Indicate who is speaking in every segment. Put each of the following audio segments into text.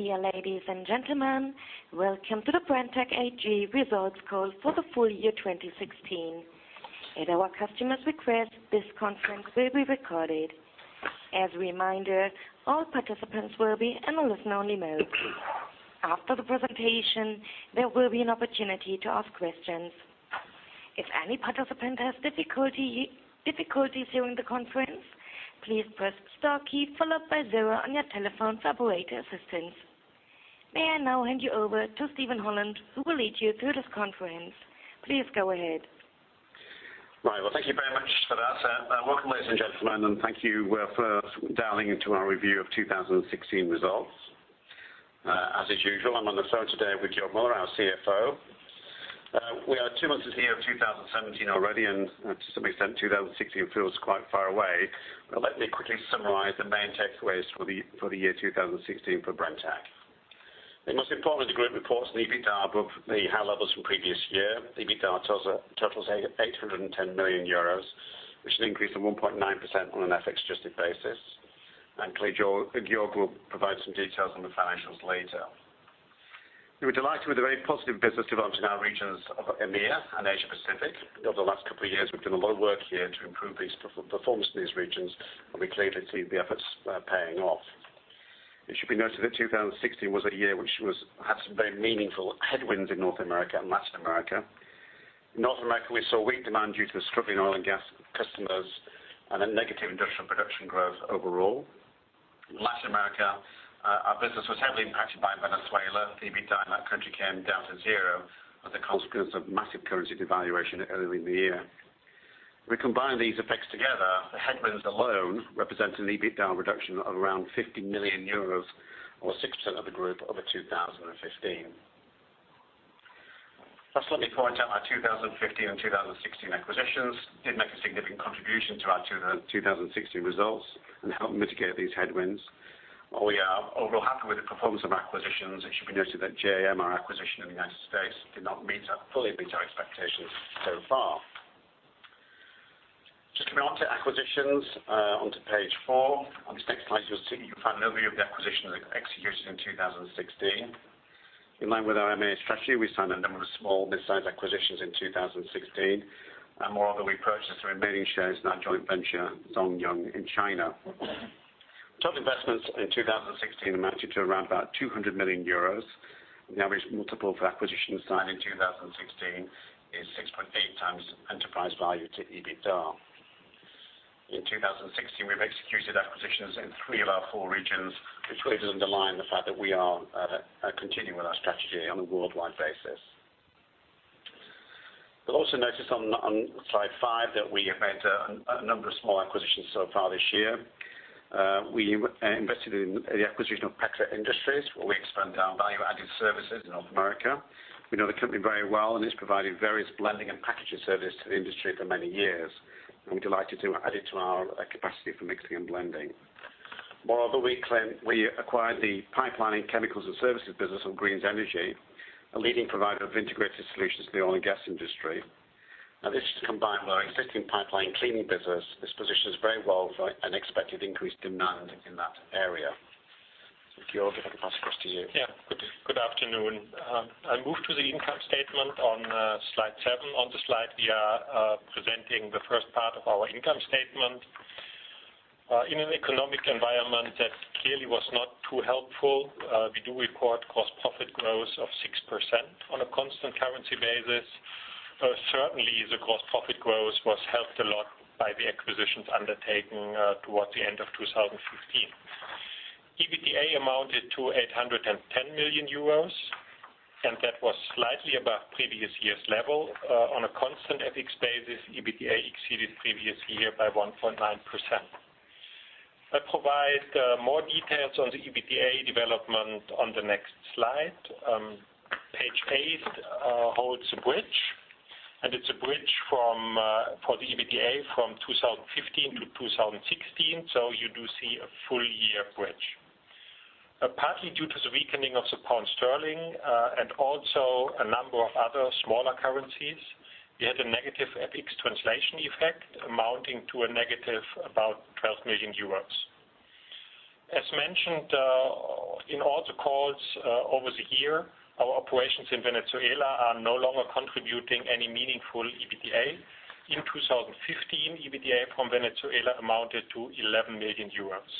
Speaker 1: Dear ladies and gentlemen, welcome to the Brenntag AG results call for the full year 2016. At our customer's request, this conference will be recorded. As a reminder, all participants will be in a listen-only mode. After the presentation, there will be an opportunity to ask questions. If any participant has difficulties during the conference, please press star key followed by zero on your telephone for operator assistance. May I now hand you over to Steven Holland, who will lead you through this conference. Please go ahead.
Speaker 2: Right. Well, thank you very much for that. Welcome, ladies and gentlemen, thank you for dialing into our review of 2016 results. As is usual, I'm on the phone today with Georg Müller, our CFO. We are two months into the year 2017 already, to some extent 2016 feels quite far away. Let me quickly summarize the main takeaways for the year 2016 for Brenntag. The most important, the group reports an EBITDA above the high levels from previous year. EBITDA totals 810 million euros, which is an increase of 1.9% on an FX adjusted basis. Clearly, Georg will provide some details on the financials later. We were delighted with the very positive business developments in our regions of EMEA and Asia Pacific. Over the last couple of years, we've done a lot of work here to improve performance in these regions, we clearly see the efforts paying off. It should be noted that 2016 was a year which had some very meaningful headwinds in North America and Latin America. North America, we saw weak demand due to the struggling oil and gas customers negative industrial production growth overall. Latin America, our business was heavily impacted by Venezuela. The EBITDA in that country came down to zero as a consequence of massive currency devaluation early in the year. We combine these effects together, the headwinds alone represent an EBITDA reduction of around 50 million euros or 6% of the group over 2015. Last, let me point out our 2015 and 2016 acquisitions did make a significant contribution to our 2016 results and helped mitigate these headwinds. While we are overall happy with the performance of acquisitions, it should be noted that JM, our acquisition in the U.S., did not fully meet our expectations so far. Just coming on to acquisitions, onto page four. On this next slide, you'll see we find an overview of the acquisitions executed in 2016. In line with our M&A strategy, we signed a number of small, mid-sized acquisitions in 2016. Moreover, we purchased our remaining shares in our joint venture, Zhong Yung, in China. Total investments in 2016 amounted to around about 200 million euros. The average multiple for acquisitions signed in 2016 is 6.8 times enterprise value to EBITDA. In 2016, we've executed acquisitions in three of our four regions, which really does underline the fact that we are continuing with our strategy on a worldwide basis. You'll also notice on slide five that we have made a number of small acquisitions so far this year. We invested in the acquisition of Pacer Industries, where we expand our value-added services in North America. We know the company very well, and it's provided various blending and packaging service to the industry for many years, and we're delighted to add it to our capacity for mixing and blending. Moreover, we acquired the pipelining chemicals and services business of Greene's Energy, a leading provider of integrated solutions to the oil and gas industry. This, combined with our existing pipeline cleaning business, positions us very well for an expected increased demand in that area. Georg, if I could pass across to you.
Speaker 3: Good afternoon. I move to the income statement on slide seven. On the slide, we are presenting the first part of our income statement. In an economic environment that clearly was not too helpful, we do record gross profit growth of 6% on a constant currency basis. Certainly, the gross profit growth was helped a lot by the acquisitions undertaken towards the end of 2015. EBITDA amounted to 810 million euros, that was slightly above previous year's level. On a constant FX basis, EBITDA exceeded previous year by 1.9%. I provide more details on the EBITDA development on the next slide. Page eight holds a bridge, it's a bridge for the EBITDA from 2015 to 2016. You do see a full year bridge. Partly due to the weakening of the GBP, also a number of other smaller currencies, we had a negative FX translation effect amounting to a negative about 12 million euros. As mentioned in all the calls over the year, our operations in Venezuela are no longer contributing any meaningful EBITDA. In 2015, EBITDA from Venezuela amounted to 11 million euros.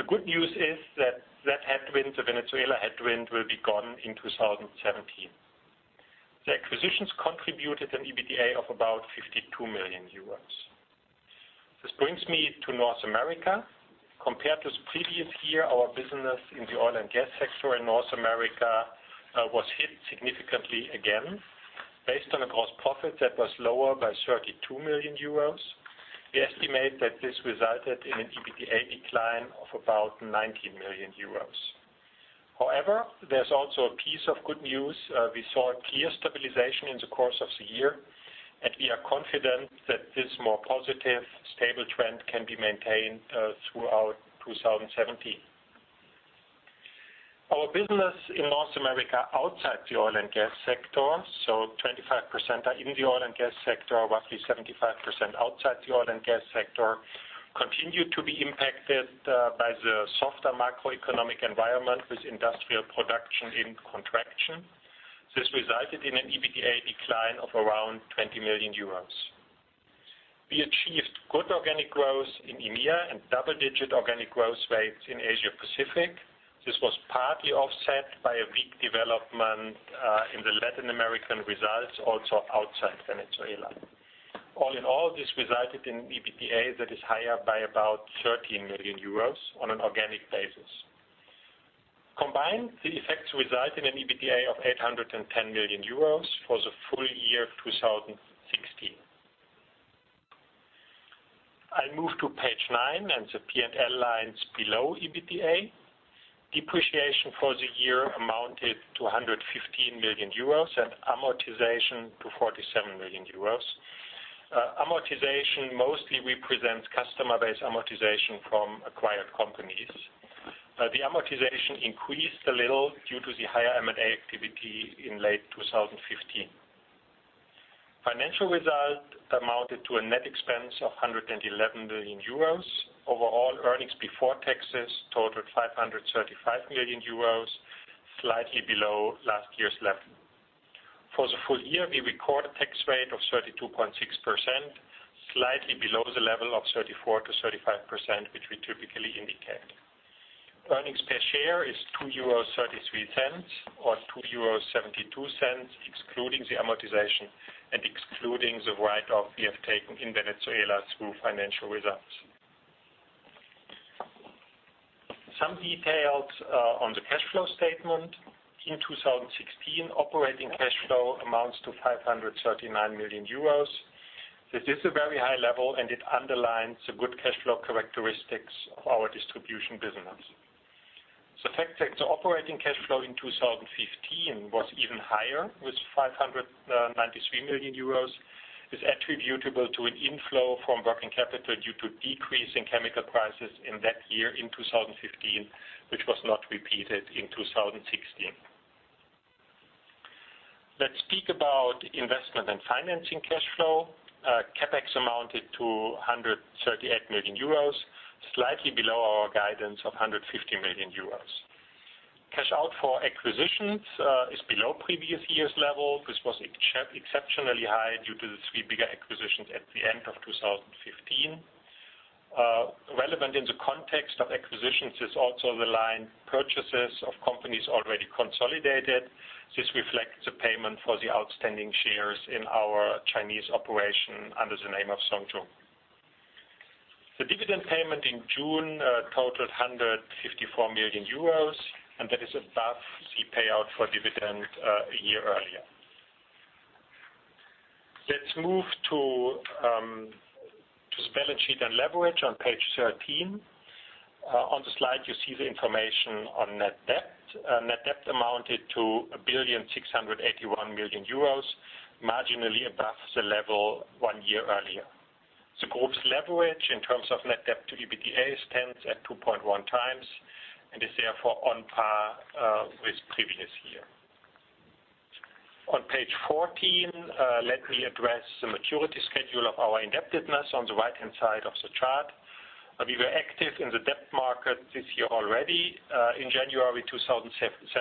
Speaker 3: The good news is that the Venezuela headwind will be gone in 2017. The acquisitions contributed an EBITDA of about 52 million euros. This brings me to North America. Compared to the previous year, our business in the oil and gas sector in North America was hit significantly again, based on a gross profit that was lower by 32 million euros. We estimate that this resulted in an EBITDA decline of about 90 million euros. There's also a piece of good news. We saw a clear stabilization in the course of the year, we are confident that this more positive, stable trend can be maintained throughout 2017. Our business in North America outside the oil and gas sector, 25% are in the oil and gas sector, roughly 75% outside the oil and gas sector, continued to be impacted by the softer macroeconomic environment, with industrial production in contraction. This resulted in an EBITDA decline of around 20 million euros. We achieved good organic growth in EMEA and double-digit organic growth rates in Asia Pacific. This was partly offset by a weak development in the Latin American results, also outside Venezuela. All in all, this resulted in EBITDA that is higher by about 13 million euros on an organic basis. Combined, the effects result in an EBITDA of 810 million euros for the full year 2016. I move to page nine and the P&L lines below EBITDA. Depreciation for the year amounted to 115 million euros and amortization to 47 million euros. Amortization mostly represents customer-based amortization from acquired companies. The amortization increased a little due to the higher M&A activity in late 2015. Financial result amounted to a net expense of 111 million euros. Overall, earnings before taxes totaled 535 million euros, slightly below last year's level. For the full year, we record a tax rate of 32.6%, slightly below the level of 34%-35%, which we typically indicate. Earnings per share is 2.33 euro or 2.72 euro, excluding the amortization and excluding the write-off we have taken in Venezuela through financial results. Some details on the cash flow statement. In 2016, operating cash flow amounts to 539 million euros. This is a very high level, and it underlines the good cash flow characteristics of our distribution business. The fact that the operating cash flow in 2015 was even higher, with 593 million euros, is attributable to an inflow from working capital due to decrease in chemical prices in that year in 2015, which was not repeated in 2016. Let's speak about investment and financing cash flow. CapEx amounted to 138 million euros, slightly below our guidance of 150 million euros. Cash out for acquisitions is below previous year's level. This was exceptionally high due to the three bigger acquisitions at the end of 2015. Relevant in the context of acquisitions is also the line purchases of companies already consolidated. This reflects the payment for the outstanding shares in our Chinese operation under the name of Zhong Yung. The dividend payment in June totaled 154 million euros, and that is above the payout for dividend a year earlier. Let's move to balance sheet and leverage on page 13. On the slide, you see the information on net debt. Net debt amounted to 1,681 million euros, marginally above the level one year earlier. The group's leverage in terms of net debt to EBITDA stands at 2.1 times, and is therefore on par with previous year. On page 14, let me address the maturity schedule of our indebtedness on the right-hand side of the chart. We were active in the debt market this year already. In January 2017,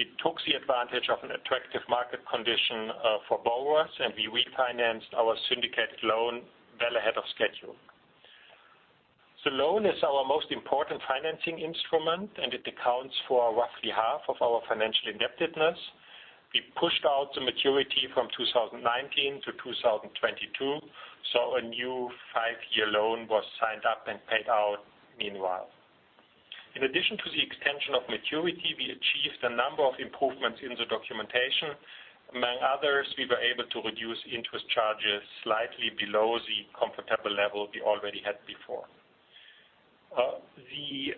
Speaker 3: we took the advantage of an attractive market condition for borrowers, and we refinanced our syndicated loan well ahead of schedule. The loan is our most important financing instrument, and it accounts for roughly half of our financial indebtedness. We pushed out the maturity from 2019 to 2022, so a new five-year loan was signed up and paid out meanwhile. In addition to the extension of maturity, we achieved a number of improvements in the documentation. Among others, we were able to reduce interest charges slightly below the comfortable level we already had before. The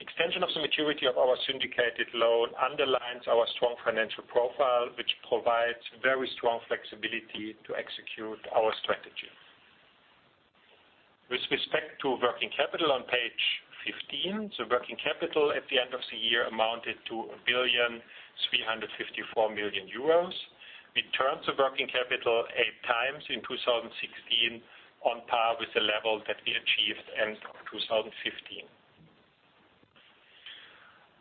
Speaker 3: extension of the maturity of our syndicated loan underlines our strong financial profile, which provides very strong flexibility to execute our strategy. With respect to working capital on page 15, the working capital at the end of the year amounted to 1,354,000,000 euros. We turned the working capital eight times in 2016 on par with the level that we achieved end of 2015.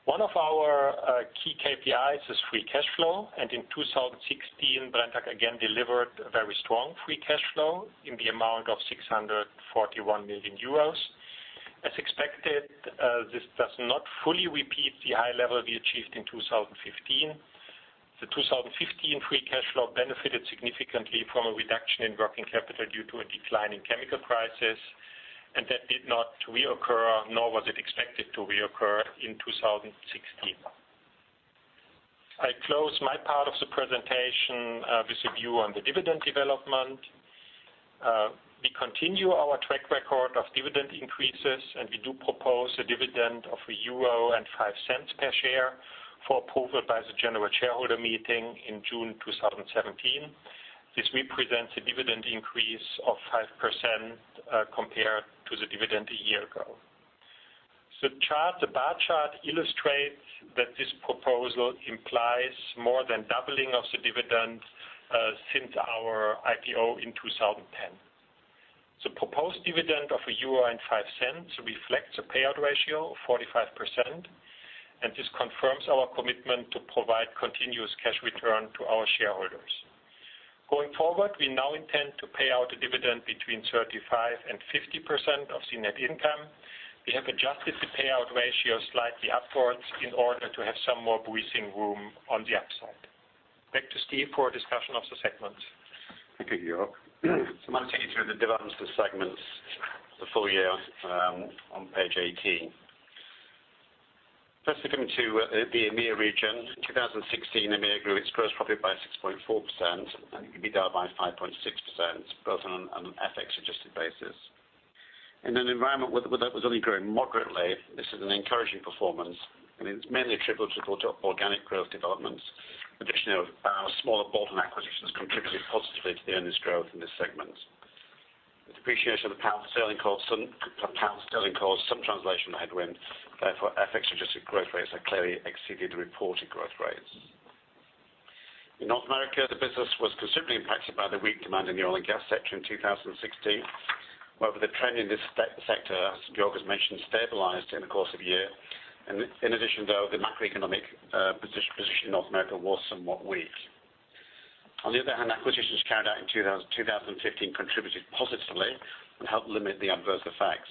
Speaker 3: One of our key KPIs is free cash flow, and in 2016, Brenntag again delivered a very strong free cash flow in the amount of 641 million euros. As expected, this does not fully repeat the high level we achieved in 2015. The 2015 free cash flow benefited significantly from a reduction in working capital due to a decline in chemical prices, and that did not reoccur, nor was it expected to reoccur in 2016. I close my part of the presentation with a view on the dividend development. We continue our track record of dividend increases, and we do propose a dividend of 1.05 euro per share for approval by the general shareholder meeting in June 2017. This represents a dividend increase of 5% compared to the dividend a year ago. The bar chart illustrates that this proposal implies more than doubling of the dividend since our IPO in 2010. Gross dividend of 1.05 euro reflects a payout ratio of 45%, and this confirms our commitment to provide continuous cash return to our shareholders. Going forward, we now intend to pay out a dividend between 35% and 50% of the net income. We have adjusted the payout ratio slightly upwards in order to have some more breathing room on the upside. Back to Steve for a discussion of the segments.
Speaker 2: Thank you, Georg. I'll take you through the developments of the segments for the full year on page 18. First, looking to the EMEA region. 2016, EMEA grew its gross profit by 6.4%, and EBITDA by 5.6%, both on an FX-adjusted basis. In an environment that was only growing moderately, this is an encouraging performance, and it's mainly attributable to organic growth developments. Additionally, our smaller bolt-on acquisitions contributed positively to the earnings growth in this segment. The depreciation of the GBP caused some translation headwinds. Therefore, FX-adjusted growth rates have clearly exceeded the reported growth rates. In North America, the business was considerably impacted by the weak demand in the oil and gas sector in 2016. However, the trend in this sector, as Georg has mentioned, stabilized in the course of the year. In addition, though, the macroeconomic position in North America was somewhat weak. On the other hand, acquisitions carried out in 2015 contributed positively and helped limit the adverse effects.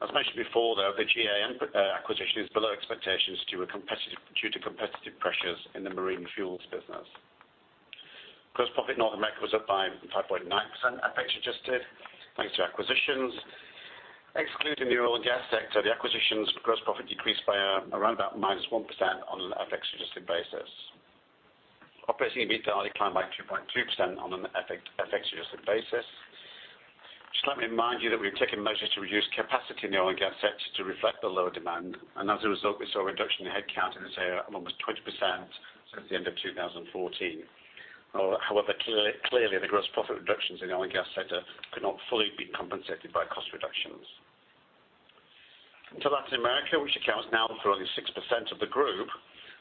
Speaker 2: As mentioned before, though, the J.A.M. acquisition is below expectations due to competitive pressures in the marine fuels business. Gross profit in North America was up by 5.9% FX-adjusted, thanks to acquisitions. Excluding the oil and gas sector, the acquisitions gross profit decreased by around about -1% on an FX-adjusted basis. Operating EBITDA only declined by 2.2% on an FX-adjusted basis. Just let me remind you that we've taken measures to reduce capacity in the oil and gas sector to reflect the lower demand, and as a result, we saw a reduction in headcount in this area of almost 20% since the end of 2014. However, clearly, the gross profit reductions in the oil and gas sector could not fully be compensated by cost reductions. To Latin America, which accounts now for only 6% of the group,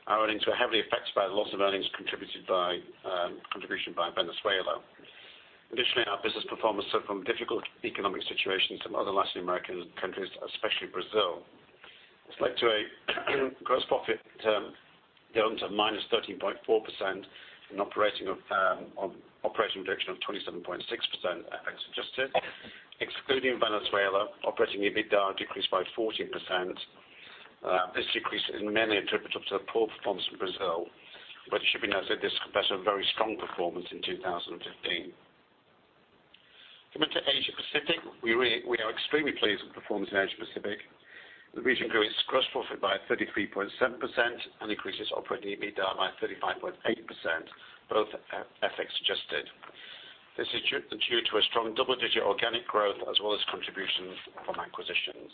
Speaker 2: our earnings were heavily affected by the loss of earnings contribution by Venezuela. Additionally, our business performance suffered from difficult economic situations in other Latin American countries, especially Brazil. This led to a gross profit down to -13.4% and an operating reduction of 27.6% FX adjusted. Excluding Venezuela, operating EBITDA decreased by 14%. This decrease is mainly attributable to the poor performance in Brazil, but it should be noted this compares to a very strong performance in 2015. Coming to Asia Pacific, we are extremely pleased with the performance in Asia Pacific. The region grew its gross profit by 33.7% and increased its operating EBITDA by 35.8%, both FX adjusted. This is due to a strong double-digit organic growth, as well as contributions from acquisitions.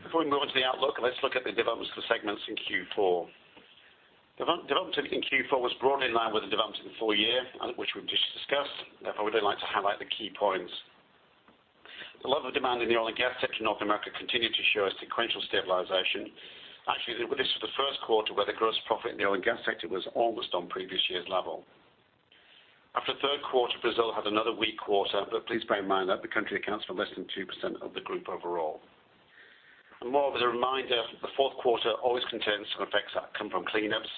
Speaker 2: Before we move on to the outlook, let's look at the developments of the segments in Q4. Development in Q4 was broadly in line with the developments in the full year, which we've just discussed. We'd like to highlight the key points. The level of demand in the oil and gas sector in North America continued to show a sequential stabilization. Actually, this was the first quarter where the gross profit in the oil and gas sector was almost on previous year's level. After the third quarter, Brazil had another weak quarter, but please bear in mind that the country accounts for less than 2% of the group overall. More as a reminder, the fourth quarter always contains some effects that come from cleanups,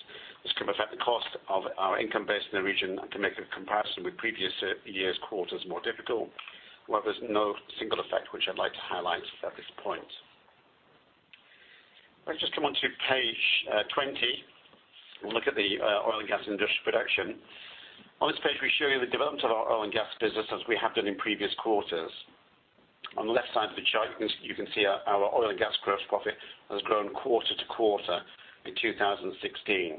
Speaker 2: which can affect the cost of our income base in the region and can make a comparison with the previous year's quarters more difficult. There's no single effect which I'd like to highlight at this point. Let's just come on to page 20. We'll look at the oil and gas industrial production. On this page, we show you the development of our oil and gas business as we have done in previous quarters. On the left side of the chart, you can see our oil and gas gross profit has grown quarter to quarter in 2016.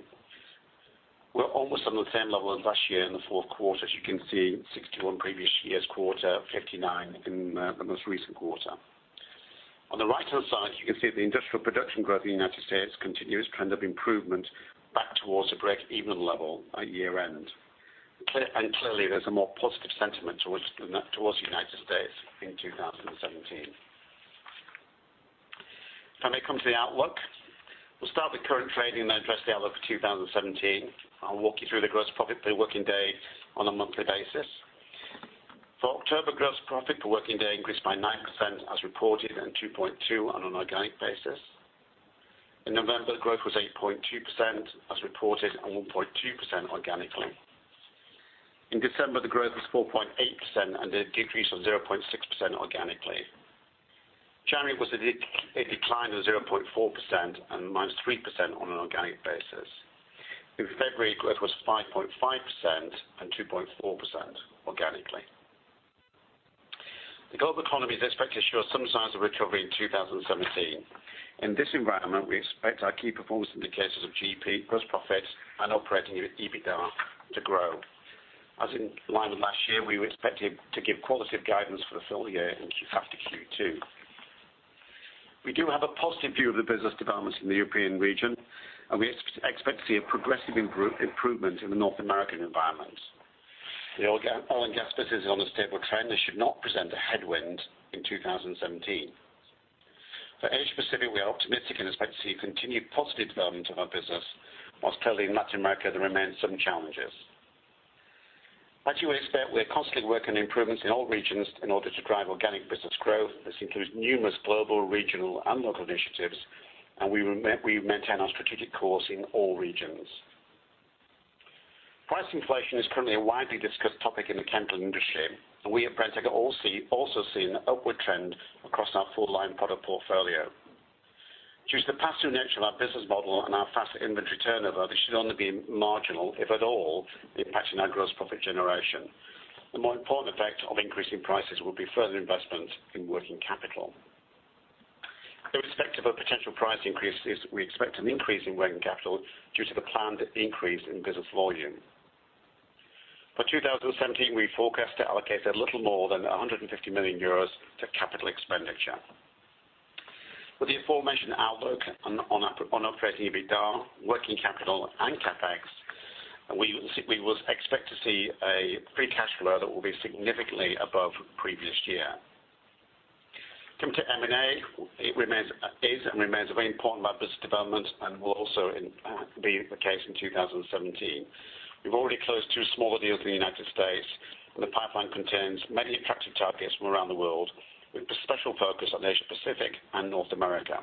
Speaker 2: We're almost on the same level as last year in the fourth quarter. As you can see, 61 previous year's quarter, 59 in the most recent quarter. On the right-hand side, you can see the industrial production growth in the United States continue its trend of improvement back towards a break-even level by year end. Clearly, there's a more positive sentiment towards the United States in 2017. Can I come to the outlook? We'll start with current trading and address the outlook for 2017. I'll walk you through the gross profit per working day on a monthly basis. For October, gross profit per working day increased by 9% as reported and 2.2% on an organic basis. In November, growth was 8.2% as reported and 1.2% organically. In December, the growth was 4.8% and a decrease of 0.6% organically. January was a decline of 0.4% and -3% on an organic basis. In February, growth was 5.5% and 2.4% organically. The global economy is expected to show some signs of recovery in 2017. In this environment, we expect our KPIs of GP, gross profit, and operating EBITDA to grow. As in line with last year, we would expect to give qualitative guidance for the full year in Q2. We do have a positive view of the business developments in the European region, we expect to see a progressive improvement in the North American environment. The oil and gas business is on a stable trend and should not present a headwind in 2017. For Asia Pacific, we are optimistic and expect to see continued positive development of our business, whilst clearly in Latin America, there remains some challenges. As you would expect, we are constantly working on improvements in all regions in order to drive organic business growth. This includes numerous global, regional, and local initiatives, we maintain our strategic course in all regions. Price inflation is currently a widely discussed topic in the chemical industry, we at Brenntag are also seeing an upward trend across our full line product portfolio. Due to the pass-through nature of our business model, our faster inventory turnover, this should only be marginal, if at all, impacting our gross profit generation. The more important effect of increasing prices will be further investment in working capital. Irrespective of potential price increases, we expect an increase in working capital due to the planned increase in business volume. For 2017, we forecast to allocate a little more than 150 million euros to capital expenditure. With the aforementioned outlook on operating EBITDA, working capital, CapEx, we would expect to see a free cash flow that will be significantly above the previous year. Coming to M&A, it is and remains a very important part of our business development and will also be the case in 2017. We've already closed two smaller deals in the U.S., the pipeline contains many attractive targets from around the world, with a special focus on Asia Pacific and North America.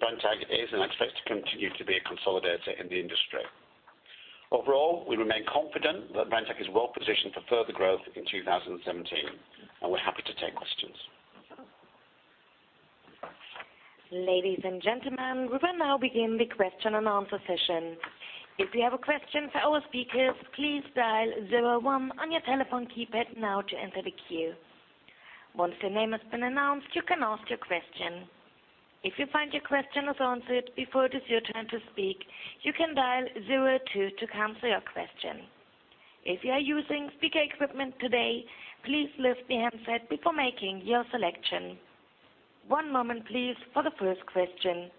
Speaker 2: Brenntag is and expects to continue to be a consolidator in the industry. Overall, we remain confident that Brenntag is well positioned for further growth in 2017, we're happy to take questions.
Speaker 1: Ladies and gentlemen, we will now begin the question and answer session. If you have a question for our speakers, please dial 01 on your telephone keypad now to enter the queue. Once your name has been announced, you can ask your question. If you find your question is answered before it is your turn to speak, you can dial 02 to cancel your question. If you are using speaker equipment today, please lift the handset before making your selection. One moment, please, for the first question.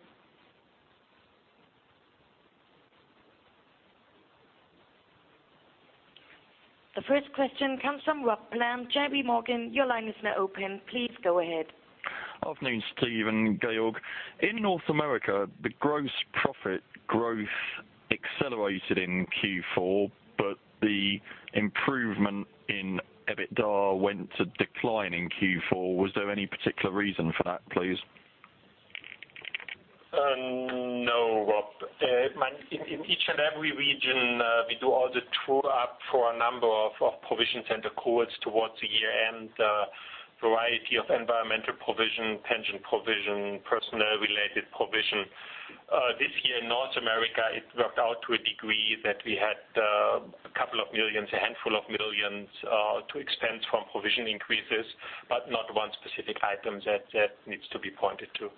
Speaker 1: The first question comes from Rob Bland, JPMorgan. Your line is now open. Please go ahead.
Speaker 4: Good afternoon, Steve and Georg. In North America, the gross profit growth accelerated in Q4. The improvement in EBITDA went to decline in Q4. Was there any particular reason for that, please?
Speaker 2: No, Rob. In each and every region, we do all the true-up for a number of provision center cohorts towards the year-end. A variety of environmental provision, pension provision, personnel related provision. This year in North America, it worked out to a degree that we had a couple of millions, a handful of millions, to expense from provision increases. Not one specific item that needs to be pointed to.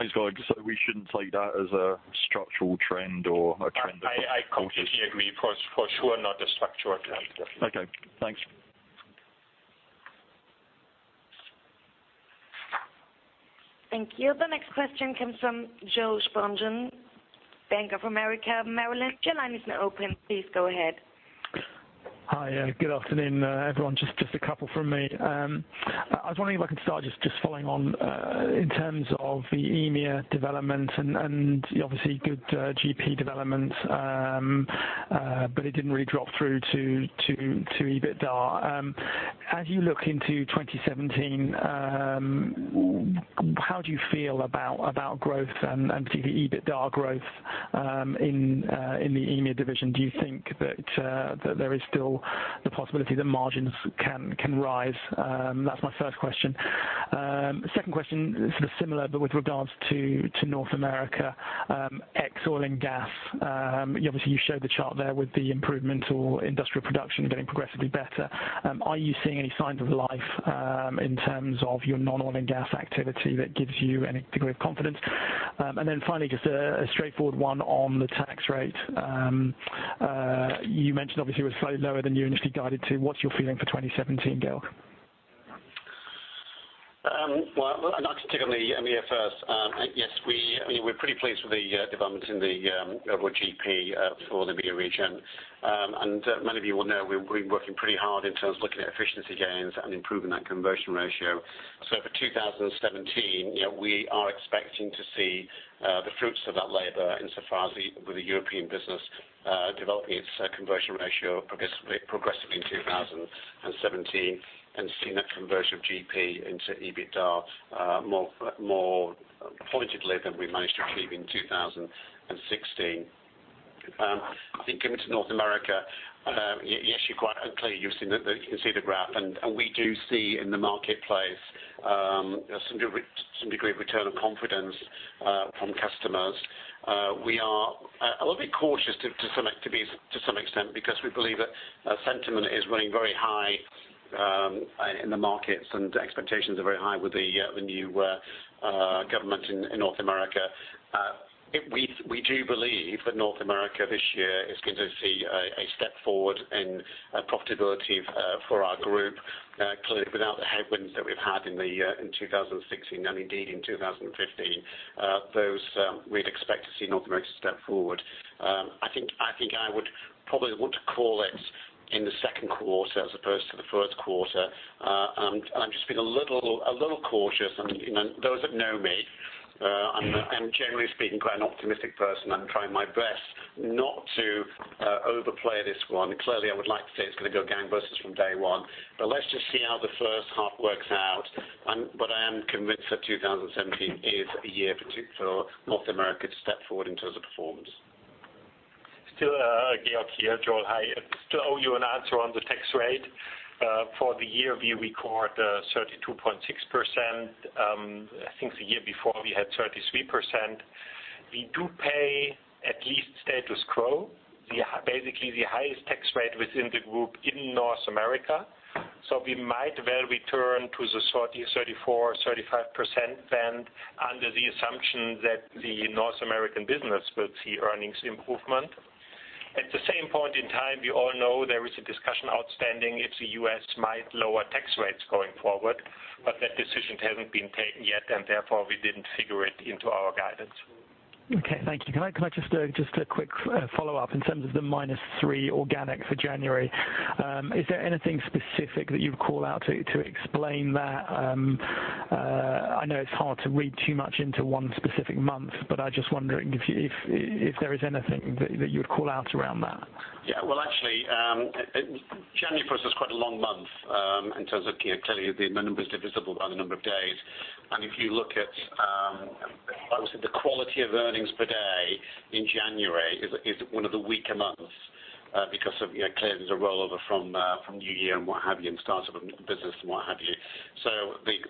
Speaker 4: Thanks, Georg. We shouldn't take that as a structural trend or a trend that.
Speaker 2: I completely agree. For sure, not a structural trend.
Speaker 4: Okay, thanks.
Speaker 1: Thank you. The next question comes from Steve Sprongeon, Bank of America Merrill Lynch. Your line is now open. Please go ahead.
Speaker 5: Hi. Good afternoon, everyone. Just a couple from me. I was wondering if I can start just following on in terms of the EMEA development and obviously good GP developments, but it didn't really drop through to EBITDA. As you look into 2017, how do you feel about growth and particularly EBITDA growth in the EMEA division? Do you think that there is still the possibility that margins can rise? That's my first question. Second question, sort of similar, but with regards to North America, ex oil and gas. Obviously, you showed the chart there with the improvement or industrial production getting progressively better. Are you seeing any signs of life in terms of your non-oil and gas activity that gives you any degree of confidence? Finally, just a straightforward one on the tax rate. You mentioned obviously it was slightly lower than you initially guided to. What's your feeling for 2017, Georg?
Speaker 2: Well, I can take on the EMEA first. Yes, we're pretty pleased with the development in the overall GP for the EMEA region. Many of you will know we've been working pretty hard in terms of looking at efficiency gains and improving that conversion ratio. For 2017, we are expecting to see the fruits of that labor in so far as with the European business developing its conversion ratio progressively in 2017 and seeing that conversion of GP into EBITDA more pointedly than we managed to achieve in 2016. I think coming to North America, yes, you're quite clear. You can see the graph, we do see in the marketplace some degree of return of confidence from customers. We are a little bit cautious to some extent because we believe that sentiment is running very high in the markets and expectations are very high with the new government in North America. We do believe that North America this year is going to see a step forward in profitability for our group, clearly without the headwinds that we've had in 2016 and indeed in 2015. We'd expect to see North America step forward. I think I would probably want to call it in the second quarter as opposed to the first quarter. I'm just being a little cautious and those that know me, I'm generally speaking quite an optimistic person. I'm trying my best not to overplay this one. Clearly, I would like to say it's going to go gangbusters from day one. Let's just see how the first half works out. I am convinced that 2017 is a year for North America to step forward in terms of performance.
Speaker 3: Still Georg here, Joel, hi. I still owe you an answer on the tax rate. For the year, we record 32.6%. I think the year before we had 33%. We do pay at least status quo. Basically, the highest tax rate within the group in North America. We might well return to the 30%, 34%, 35% band under the assumption that the North American business will see earnings improvement. At the same point in time, we all know there is a discussion outstanding if the U.S. might lower tax rates going forward, that decision hasn't been taken yet, therefore we didn't figure it into our guidance.
Speaker 5: Okay, thank you. Can I just a quick follow-up in terms of the minus three organic for January? Is there anything specific that you would call out to explain that? I know it's hard to read too much into one specific month, but I just wondering if there is anything that you would call out around that.
Speaker 2: Well, actually, January for us is quite a long month in terms of clearly the number is divisible by the number of days. If you look at, obviously, the quality of earnings per day in January is one of the weaker months because of clearly there's a rollover from New Year and what have you, and startup of business and what have you.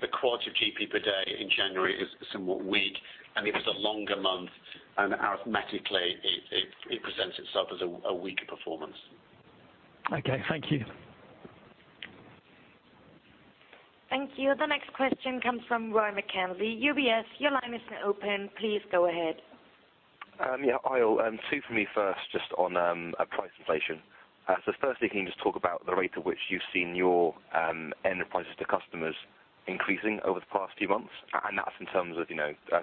Speaker 2: The quality of GP per day in January is somewhat weak, and it was a longer month, and arithmetically it presents itself as a weaker performance.
Speaker 5: Okay. Thank you.
Speaker 1: Thank you. The next question comes from Geoff Kendrick, UBS. Your line is now open. Please go ahead.
Speaker 6: Yeah. Geoff. Two from me first just on price inflation. Firstly, can you just talk about the rate at which you've seen your end prices to customers increasing over the past few months? That's in terms of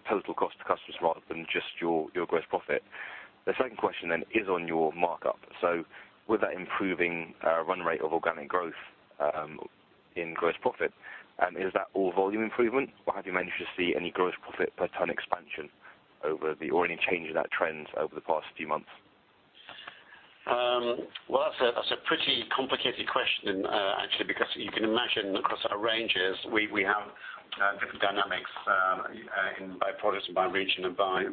Speaker 6: total cost to customers rather than just your Gross Profit. The second question is on your markup. With that improving run rate of organic growth in Gross Profit, is that all volume improvement, or have you managed to see any Gross Profit per ton expansion or any change in that trend over the past few months?
Speaker 2: Well, that's a pretty complicated question actually, because you can imagine across our ranges we have different dynamics by products and by region and by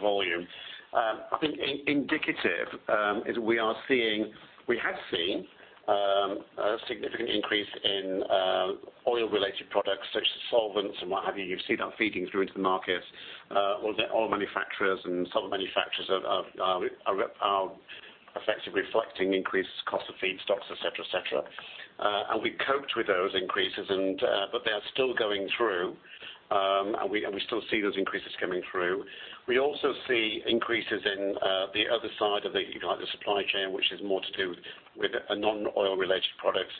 Speaker 2: volume. I think indicative is we had seen a significant increase in oil related products such as solvents and what have you. You see that feeding through into the markets. All manufacturers and solvent manufacturers are effectively reflecting increased cost of feedstocks, et cetera. We coped with those increases, but they are still going through, and we still see those increases coming through. We also see increases in the other side of the supply chain, which is more to do with a non-oil related products.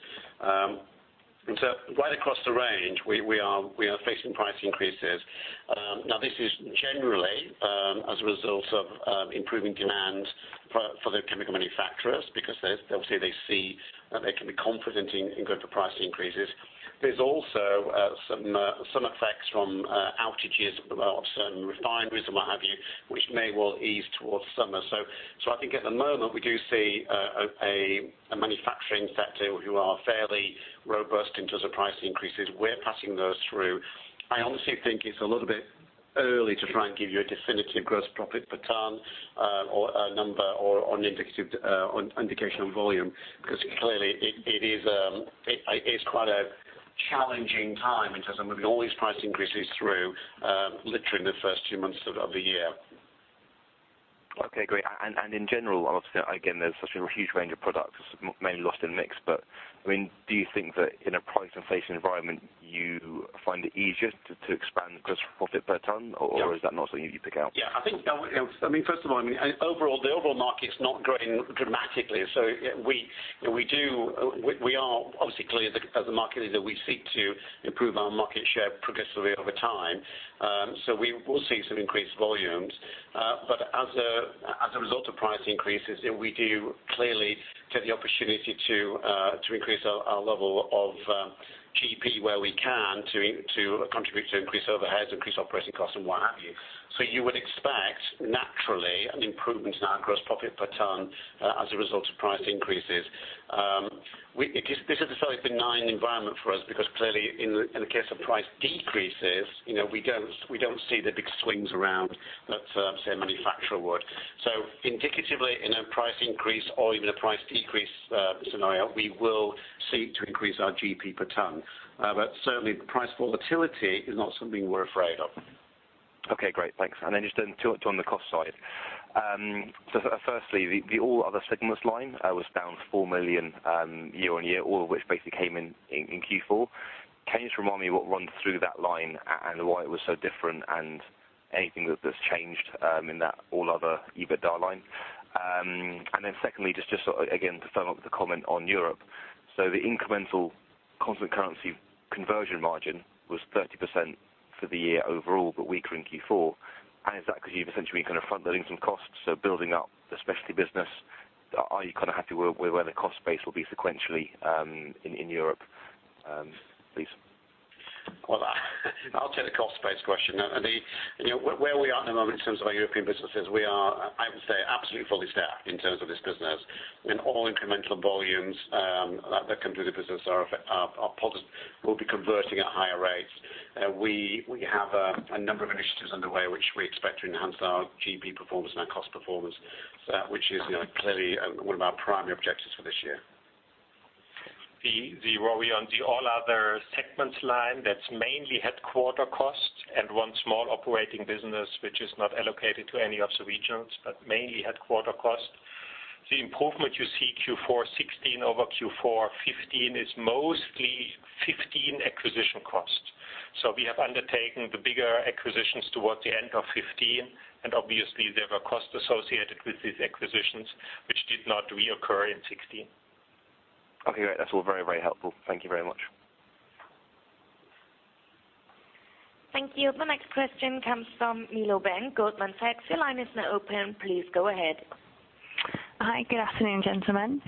Speaker 2: Right across the range, we are facing price increases. This is generally as a result of improving demand for the chemical manufacturers because obviously they see that they can be confident in going for price increases. There's also some effects from outages of certain refineries and what have you, which may well ease towards summer. I think at the moment we do see a manufacturing sector who are fairly robust in terms of price increases. We're passing those through. I honestly think it's a little bit early to try and give you a definitive Gross Profit per ton number or an indication on volume because clearly it is quite a challenging time in terms of moving all these price increases through literally in the first two months of the year.
Speaker 6: Okay, great. In general, obviously, again, there's such a huge range of products mainly lost in mix, but, do you think that in a price inflation environment you find it easier to expand Gross Profit per ton? Or is that not something you pick out?
Speaker 2: First of all, the overall market's not growing dramatically. We are obviously clear as a market leader, we seek to improve our market share progressively over time. We will see some increased volumes. As a result of price increases, we do clearly take the opportunity to increase our level of GP where we can to contribute to increased overheads, increased operating costs, and what have you. You would expect naturally an improvement in our gross profit per ton as a result of price increases. This is a fairly benign environment for us because clearly in the case of price decreases, we don't see the big swings around that say a manufacturer would. Indicatively in a price increase or even a price decrease scenario, we will seek to increase our GP per ton. Certainly price volatility is not something we're afraid of.
Speaker 6: Okay, great. Thanks. Just on the cost side. Firstly, the all other segments line was down 4 million year-on-year, all of which basically came in in Q4. Can you just remind me what runs through that line and why it was so different and anything that's changed in that all other EBITDA line? Secondly, just again, to follow up with the comment on Europe. The incremental constant currency conversion margin was 30% for the year overall, but weaker in Q4. Is that because you've essentially kind of front-loading some costs, so building up the specialty business? Are you happy where the cost base will be sequentially in Europe? Please.
Speaker 2: I'll take the cost base question. Where we are at the moment in terms of our European business is we are, I would say, absolutely fully staffed in terms of this business. All incremental volumes that come through the business will be converting at higher rates. We have a number of initiatives underway which we expect to enhance our GP performance and our cost performance, which is clearly one of our primary objectives for this year.
Speaker 3: The ROE on the all other segments line, that's mainly headquarter costs and one small operating business which is not allocated to any of the regions, but mainly headquarter costs. The improvement you see Q4 2016 over Q4 2015 is mostly 2015 acquisition costs. We have undertaken the bigger acquisitions towards the end of 2015, and obviously there were costs associated with these acquisitions which did not reoccur in 2016.
Speaker 6: Okay, great. That's all very helpful. Thank you very much.
Speaker 1: Thank you. The next question comes from Milou Ben, Goldman Sachs. Your line is now open. Please go ahead.
Speaker 7: Hi. Good afternoon, gentlemen.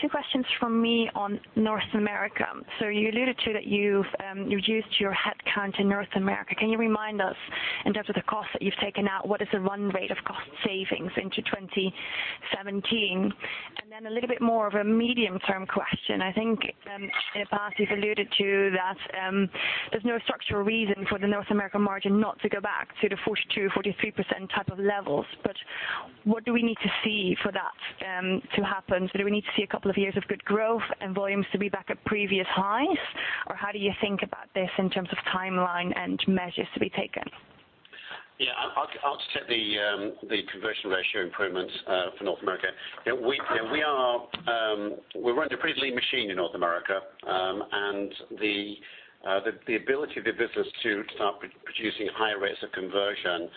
Speaker 7: Two questions from me on North America. You alluded to that you've reduced your headcount in North America. Can you remind us, in terms of the costs that you've taken out, what is the run rate of cost savings into 2017? A little bit more of a medium-term question. I think in the past you've alluded to that there's no structural reason for the North American margin not to go back to the 42%-43% type of levels. What do we need to see for that to happen? Do we need to see a couple of years of good growth and volumes to be back at previous highs, or how do you think about this in terms of timeline and measures to be taken?
Speaker 2: I'll just take the conversion ratio improvements for North America. We run a pretty lean machine in North America. The ability of the business to start producing higher rates of conversion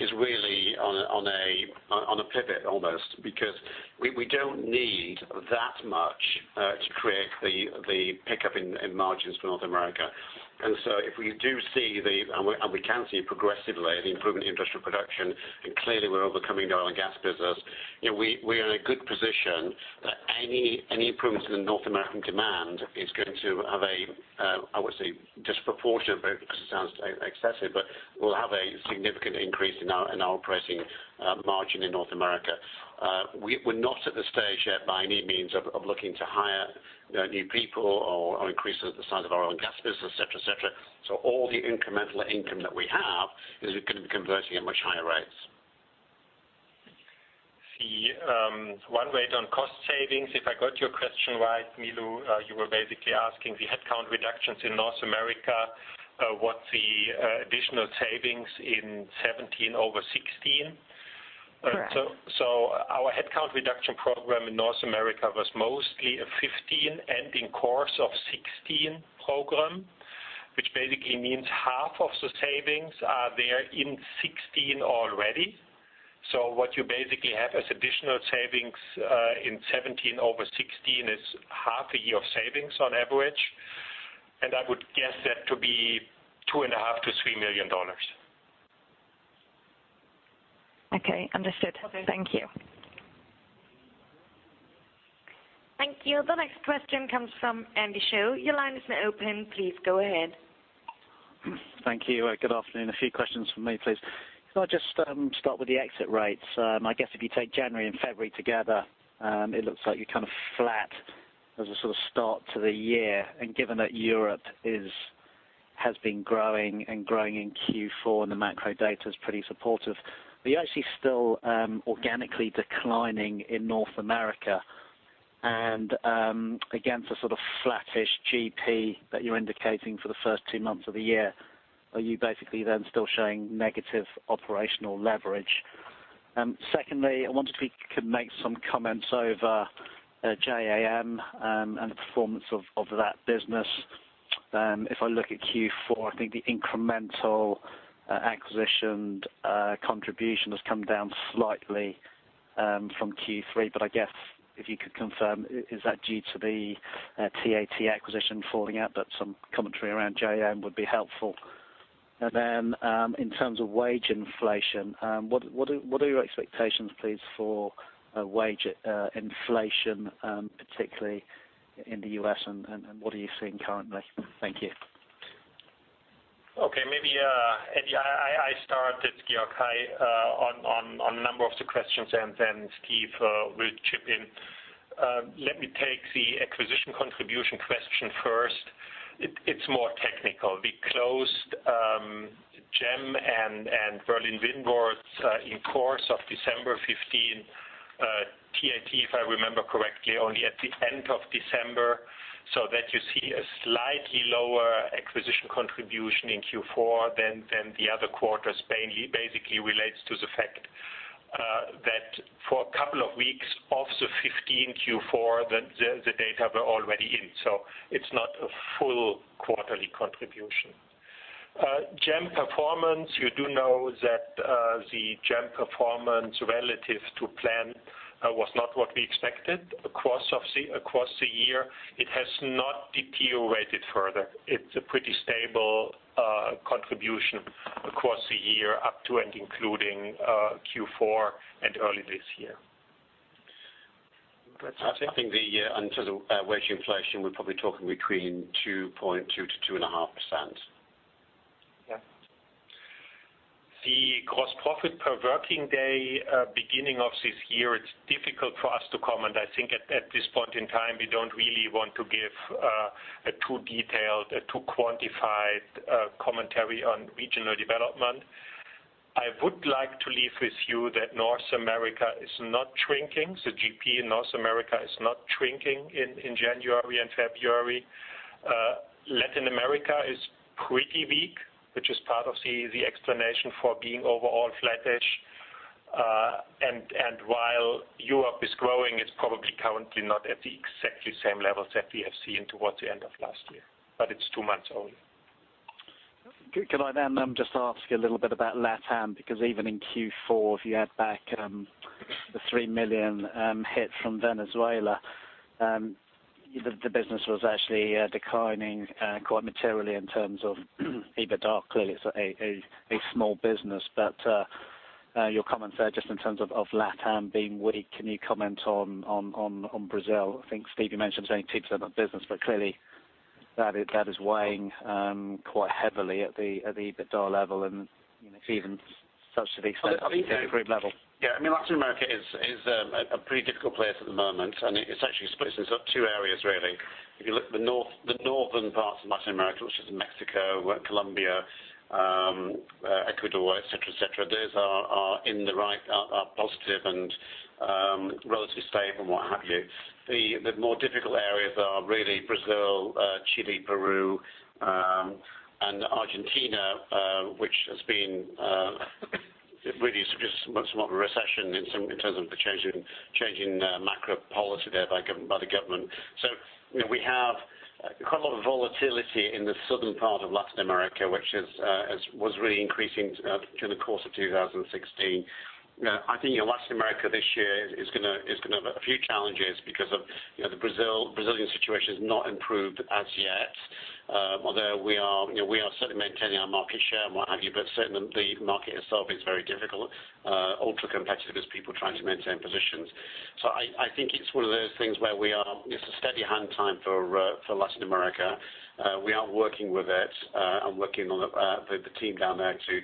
Speaker 2: is really on a pivot almost, because we don't need that much to create the pickup in margins for North America. We can see progressively the improvement in industrial production, and clearly we're overcoming the oil and gas business. We are in a good position that any improvements in North American demand is going to have a, I would say disproportionate, because it sounds excessive, but we'll have a significant increase in our operating margin in North America. We're not at the stage yet by any means of looking to hire new people or increase the size of our oil and gas business, et cetera. All the incremental income that we have is going to be converting at much higher rates.
Speaker 3: The run rate on cost savings, if I got your question right, Milou, you were basically asking the headcount reductions in North America, what the additional savings in 2017 over 2016.
Speaker 7: Correct.
Speaker 3: Our headcount reduction program in North America was mostly a 2015 ending course of 2016 program, which basically means half of the savings are there in 2016 already. What you basically have as additional savings in 2017 over 2016 is half a year of savings on average, and I would guess that to be $2.5 million-$3 million.
Speaker 7: Okay. Understood.
Speaker 1: Okay.
Speaker 7: Thank you.
Speaker 1: Thank you. The next question comes from Andy Shaw. Your line is now open. Please go ahead.
Speaker 8: Thank you. Good afternoon. A few questions from me, please. Can I just start with the exit rates? I guess if you take January and February together, it looks like you're flat as a sort of start to the year. Given that Europe has been growing and growing in Q4 and the macro data is pretty supportive, you're actually still organically declining in North America. Again, for sort of flattish GP that you're indicating for the first two months of the year, are you basically then still showing negative operational leverage? Secondly, I wondered if you could make some comments over JAM and the performance of that business. If I look at Q4, I think the incremental acquisition contribution has come down slightly from Q3, but I guess if you could confirm, is that due to the TAT acquisition falling out? Some commentary around JAM would be helpful. Then, in terms of wage inflation, what are your expectations, please, for wage inflation, particularly in the U.S., and what are you seeing currently? Thank you.
Speaker 3: Okay. Maybe, Andy, I start at Georg Müller on a number of the questions, Steve will chip in. Let me take the acquisition contribution question first. It is more technical. We closed JAM and Berlin-Windward in course of December 2015. TAT, if I remember correctly, only at the end of December, so that you see a slightly lower acquisition contribution in Q4 than the other quarters basically relates to the fact that for a couple of weeks of the 2015 Q4, the data were already in. It is not a full quarterly contribution. JAM performance, you do know that the JAM performance relative to plan was not what we expected across the year. It has not deteriorated further. It is a pretty stable contribution across the year up to and including Q4 and early this year.
Speaker 2: I think the wage inflation, we are probably talking between 2.2%-2.5%.
Speaker 8: Yeah.
Speaker 3: The gross profit per working day beginning of this year, it is difficult for us to comment. I think at this point in time, we do not really want to give a too detailed, a too quantified commentary on regional development. I would like to leave with you that North America is not shrinking. The GP in North America is not shrinking in January and February. Latin America is pretty weak, which is part of the explanation for being overall flat-ish. While Europe is growing, it is probably currently not at the exactly same levels that we have seen towards the end of last year, but it is two months only.
Speaker 8: Can I just ask you a little bit about LatAm? Because even in Q4, if you add back the 3 million hit from Venezuela, the business was actually declining quite materially in terms of EBITDA. Clearly, it is a small business, but your comments there, just in terms of LatAm being weak, can you comment on Brazil? I think Steve, you mentioned it is only 2% of the business, but clearly that is weighing quite heavily at the EBITDA level and it is even subsequently set up at group level.
Speaker 2: Yeah, Latin America is a pretty difficult place at the moment. It essentially splits into two areas, really. If you look at the northern parts of Latin America, which is Mexico, Colombia, Ecuador, et cetera, those are positive and relatively stable and what have you. The more difficult areas are really Brazil, Chile, Peru, and Argentina, which has been really just a recession in terms of the changing macro policy there by the government. We have quite a lot of volatility in the southern part of Latin America, which was really increasing during the course of 2016. I think Latin America this year is going to have a few challenges because the Brazilian situation has not improved as yet. Although we are certainly maintaining our market share and what have you, but certainly the market itself is very difficult, ultra-competitive as people trying to maintain positions. I think it's one of those things where it's a steady-hand time for Latin America. We are working with it and working on the team down there to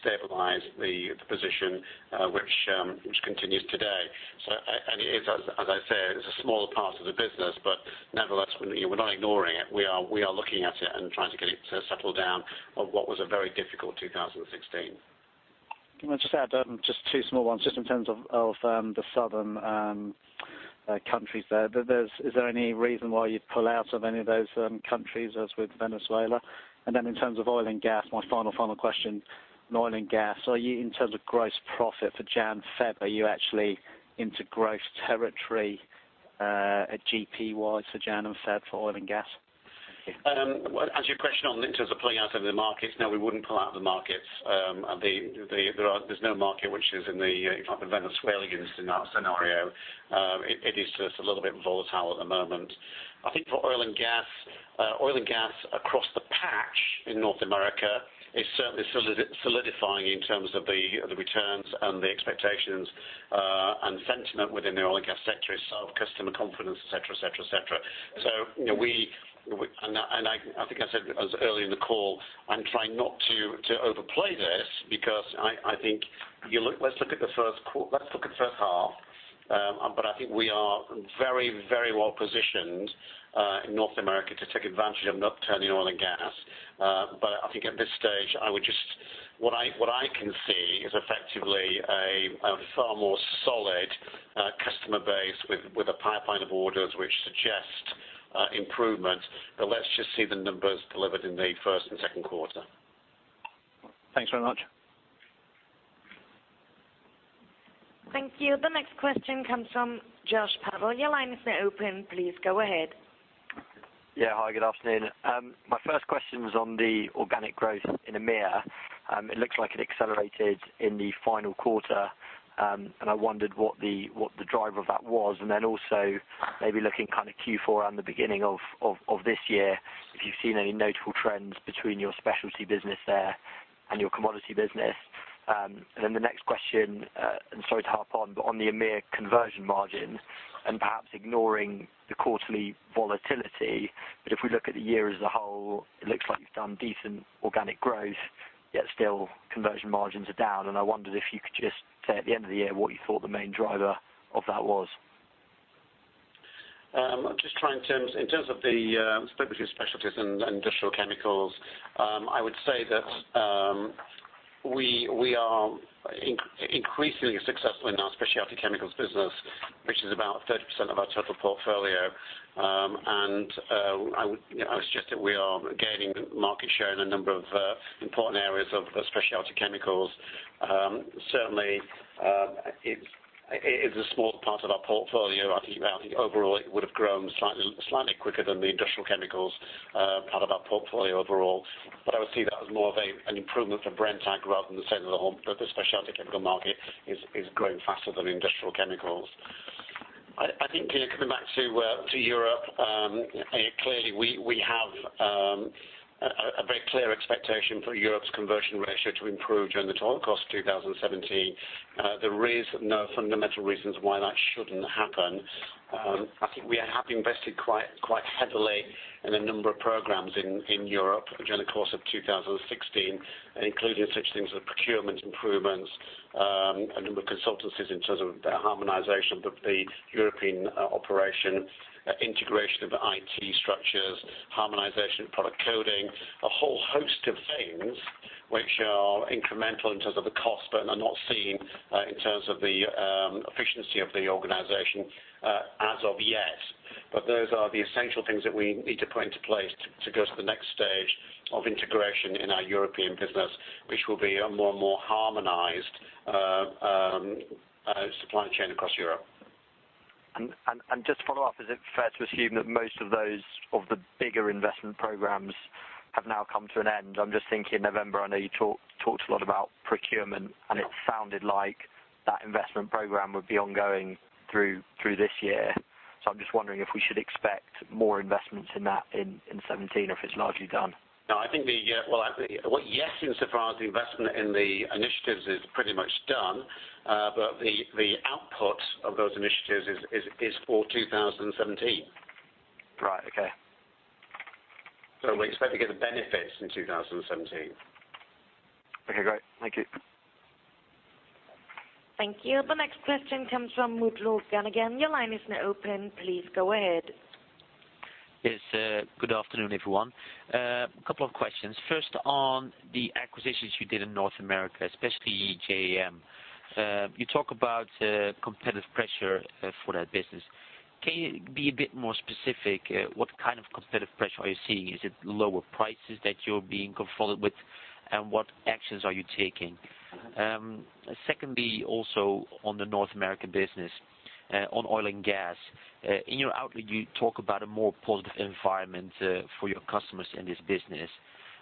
Speaker 2: stabilize the position which continues today. And as I said, it's a smaller part of the business, but nevertheless, we're not ignoring it. We are looking at it and trying to get it to settle down of what was a very difficult 2016.
Speaker 8: Can I just add just two small ones, just in terms of the southern countries there. Is there any reason why you'd pull out of any of those countries, as with Venezuela? Then in terms of oil and gas, my final question, in oil and gas, in terms of gross profit for January, February, are you actually into growth territory GP wise for January and February for oil and gas?
Speaker 2: As your question on in terms of pulling out of the markets, no, we wouldn't pull out of the markets. There's no market which is in the Venezuelan scenario. It is just a little bit volatile at the moment. I think for oil and gas across the patch in North America is certainly solidifying in terms of the returns and the expectations and sentiment within the oil and gas sector itself, customer confidence, et cetera. We, and I think I said it was early in the call, I'm trying not to overplay this because I think let's look at the first half. I think we are very well positioned in North America to take advantage of an upturn in oil and gas. I think at this stage, what I can see is effectively a far more solid customer base with a pipeline of orders which suggests improvement. Let's just see the numbers delivered in the first and second quarter.
Speaker 8: Thanks very much.
Speaker 1: Thank you. The next question comes from Josh Powell. Your line is now open. Please go ahead.
Speaker 9: Yeah. Hi, good afternoon. My first question was on the organic growth in EMEA. It looks like it accelerated in the final quarter. I wondered what the driver of that was. Then also maybe looking kind of Q4 and the beginning of this year, if you've seen any notable trends between your specialty business there and your commodity business. Then the next question, and sorry to harp on, but on the EMEA conversion margin and perhaps ignoring the quarterly volatility, but if we look at the year as a whole, it looks like you've done decent organic growth, yet still conversion margins are down. I wondered if you could just say at the end of the year what you thought the main driver of that was.
Speaker 2: In terms of the split between specialties and industrial chemicals, I would say that we are increasingly successful in our specialty chemicals business, which is about 30% of our total portfolio. I would suggest that we are gaining market share in a number of important areas of specialty chemicals. Certainly, it is a small part of our portfolio. Overall it would have grown slightly quicker than the industrial chemicals part of our portfolio overall. I would see that as more of an improvement for Brenntag rather than saying that the whole specialty chemical market is growing faster than industrial chemicals. Coming back to Europe, clearly we have a very clear expectation for Europe's conversion ratio to improve during the course of 2017. There is no fundamental reasons why that shouldn't happen. We have invested quite heavily in a number of programs in Europe during the course of 2016, including such things as procurement improvements, a number of consultancies in terms of the harmonization of the European operation, integration of IT structures, harmonization of product coding, a whole host of things which are incremental in terms of the cost, but are not seen in terms of the efficiency of the organization as of yet. Those are the essential things that we need to put into place to go to the next stage of integration in our European business, which will be a more and more harmonized supply chain across Europe.
Speaker 9: Just to follow up, is it fair to assume that most of those, of the bigger investment programs have now come to an end? I'm just thinking, November, I know you talked a lot about procurement, and it sounded like that investment program would be ongoing through this year. I'm just wondering if we should expect more investments in that in 2017 or if it's largely done.
Speaker 2: Yes, insofar as the investment in the initiatives is pretty much done, the output of those initiatives is for 2017.
Speaker 9: Right. Okay.
Speaker 2: We expect to get the benefits in 2017.
Speaker 9: Okay, great. Thank you.
Speaker 1: Thank you. The next question comes from Mutlu Gundogan again. Your line is now open. Please go ahead.
Speaker 10: Yes. Good afternoon, everyone. A couple of questions. First, on the acquisitions you did in North America, especially J.A.M. You talk about competitive pressure for that business. Can you be a bit more specific? What kind of competitive pressure are you seeing? Is it lower prices that you're being confronted with? What actions are you taking? Secondly, also on the North American business, on oil and gas. In your outlook, you talk about a more positive environment for your customers in this business.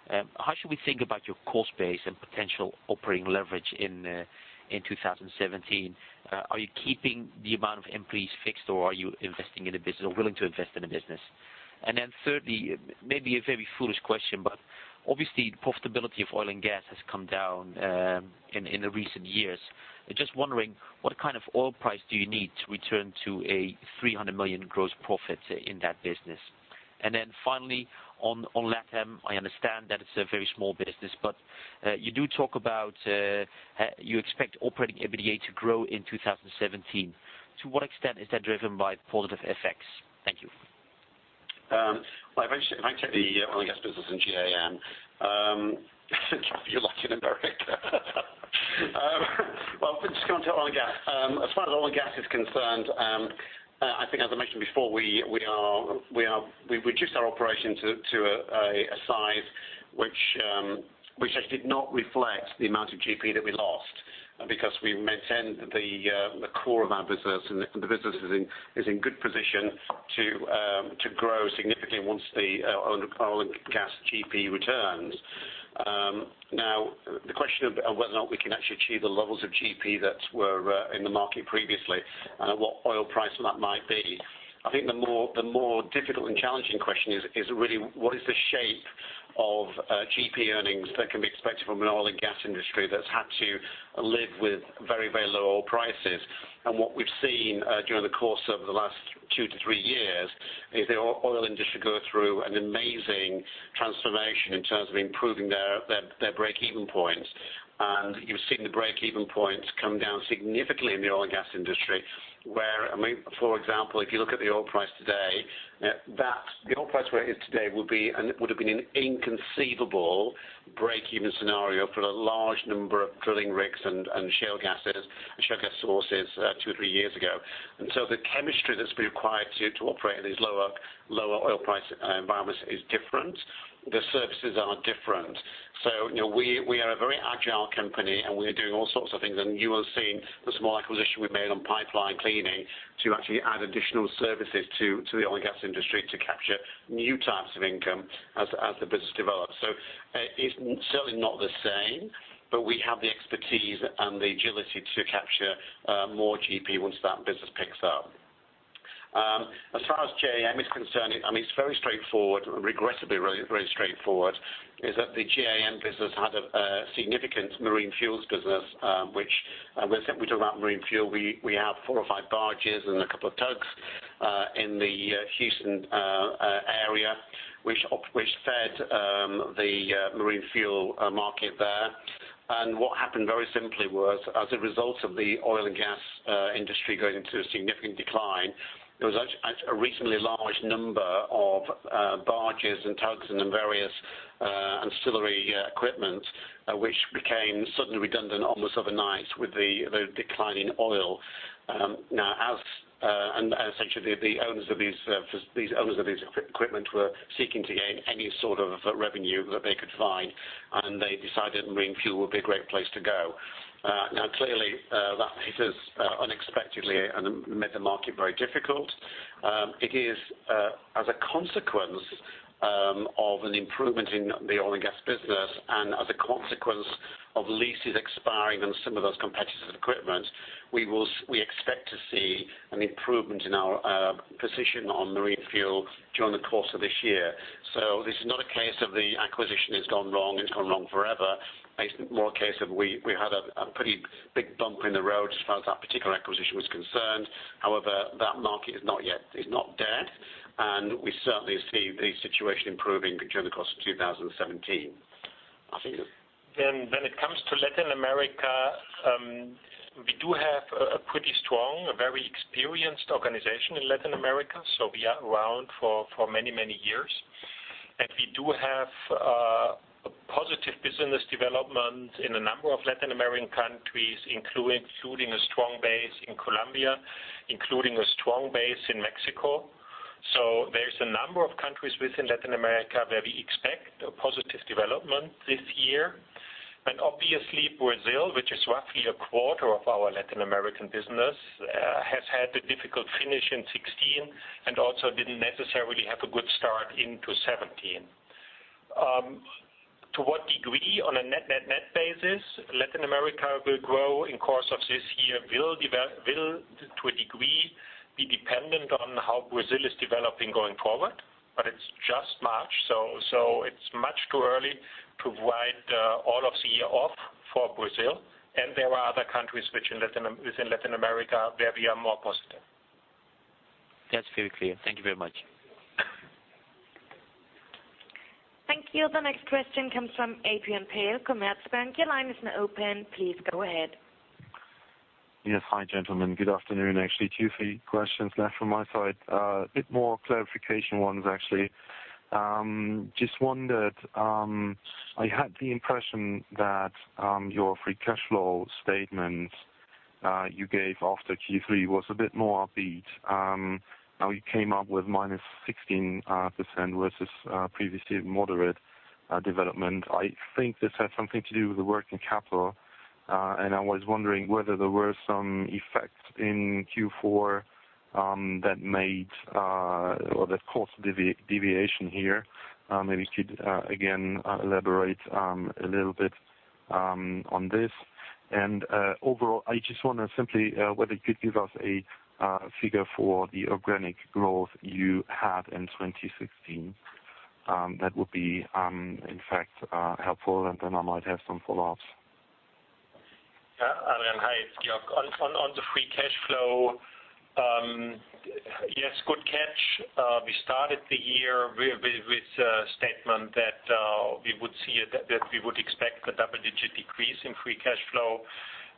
Speaker 10: How should we think about your cost base and potential operating leverage in 2017? Are you keeping the amount of employees fixed, or are you investing in the business or willing to invest in the business? Thirdly, maybe a very foolish question, but obviously profitability of oil and gas has come down in the recent years. Just wondering what kind of oil price do you need to return to a 300 million gross profit in that business? Finally on LATAM, I understand that it's a very small business, but you do talk about you expect operating EBITDA to grow in 2017. To what extent is that driven by positive effects? Thank you.
Speaker 2: If I take the oil and gas business in J.A.M., you're lucky in America. Well, just going to oil and gas. As far as oil and gas is concerned, I think as I mentioned before, we reduced our operation to a size which actually did not reflect the amount of GP that we lost because we maintained the core of our business. The business is in good position to grow significantly once the oil and gas GP returns. The question of whether or not we can actually achieve the levels of GP that were in the market previously and at what oil price that might be, I think the more difficult and challenging question is really what is the shape of GP earnings that can be expected from an oil and gas industry that's had to live with very low oil prices. What we've seen during the course of the last two to three years is the oil industry go through an amazing transformation in terms of improving their break-even point. You've seen the break-even points come down significantly in the oil and gas industry, where, for example, if you look at the oil price today, the oil price where it is today would have been an inconceivable break-even scenario for a large number of drilling rigs and shale gas sources two or three years ago. The chemistry that's been required to operate in these lower oil price environments is different. The services are different. We are a very agile company, and we are doing all sorts of things, and you will have seen the small acquisition we made on pipeline cleaning to actually add additional services to the oil and gas industry to capture new types of income as the business develops. It's certainly not the same, but we have the expertise and the agility to capture more GP once that business picks up. As far as J.A.M. is concerned, it's very straightforward, regrettably very straightforward, is that the J.A.M. business had a significant marine fuels business, which when we talk about marine fuel, we have four or five barges and a couple of tugs in the Houston area, which fed the marine fuel market there. What happened very simply was, as a result of the oil and gas industry going into a significant decline, there was actually a reasonably large number of barges and tugs and various ancillary equipment which became suddenly redundant almost overnight with the decline in oil. Essentially the owners of these equipment were seeking to gain any sort of revenue that they could find, and they decided marine fuel would be a great place to go. Clearly, that hit us unexpectedly and made the market very difficult. It is as a consequence of an improvement in the oil and gas business and as a consequence of leases expiring on some of those competitive equipments, we expect to see an improvement in our position on marine fuel during the course of this year. This is not a case of the acquisition has gone wrong, it's gone wrong forever. It's more a case of we had a pretty big bump in the road as far as that particular acquisition was concerned. However, that market is not dead, and we certainly see the situation improving during the course of 2017.
Speaker 3: When it comes to Latin America, we do have a pretty strong, very experienced organization in Latin America. We are around for many, many years. We do have a positive business development in a number of Latin American countries, including a strong base in Colombia, including a strong base in Mexico. There's a number of countries within Latin America where we expect a positive development this year. Obviously Brazil, which is roughly a quarter of our Latin American business, has had a difficult finish in 2016 and also didn't necessarily have a good start into 2017. To what degree on a net basis Latin America will grow in course of this year will, to a degree, be dependent on how Brazil is developing going forward, but it's just March, so it's much too early to write all of CA off for Brazil. There are other countries within Latin America where we are more positive.
Speaker 10: That's very clear. Thank you very much.
Speaker 1: Thank you. The next question comes from Adrian Pehl, Commerzbank. Your line is now open. Please go ahead.
Speaker 11: Yes. Hi, gentlemen. Good afternoon. Actually, two, three questions left from my side. A bit more clarification ones, actually. Just wondered, I had the impression that your free cash flow statement you gave after Q3 was a bit more upbeat. Now you came up with -16% versus previously moderate development. I think this has something to do with the working capital. I was wondering whether there were some effects in Q4 that caused the deviation here. Maybe you could, again, elaborate a little bit on this. Overall, I just wonder simply whether you could give us a figure for the organic growth you had in 2016. That would be, in fact, helpful, and then I might have some follow-ups.
Speaker 3: Adrian, hi, it's Georg. On the free cash flow, yes, good catch. We started the year with a statement that we would expect a double-digit decrease in free cash flow.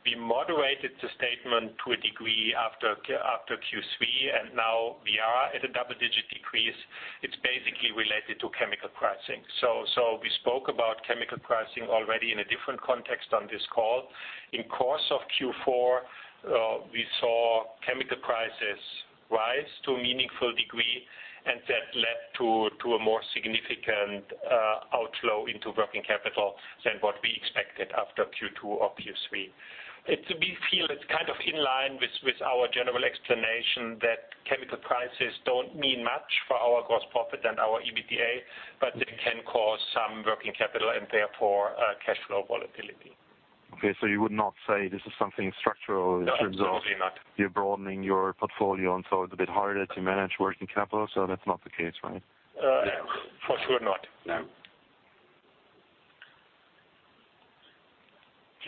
Speaker 3: We moderated the statement to a degree after Q3, and now we are at a double-digit decrease. It's basically related to chemical pricing. We spoke about chemical pricing already in a different context on this call. In course of Q4, we saw chemical prices rise to a meaningful degree, and that led to a more significant outflow into working capital than what we expected after Q2 or Q3. We feel it's kind of in line with our general explanation that chemical prices don't mean much for our gross profit and our EBITDA, but they can cause some working capital and therefore cash flow volatility.
Speaker 11: Okay, you would not say this is something structural in terms of.
Speaker 3: No, absolutely not.
Speaker 11: you broadening your portfolio, it's a bit harder to manage working capital. That's not the case, right?
Speaker 3: For sure not.
Speaker 2: No.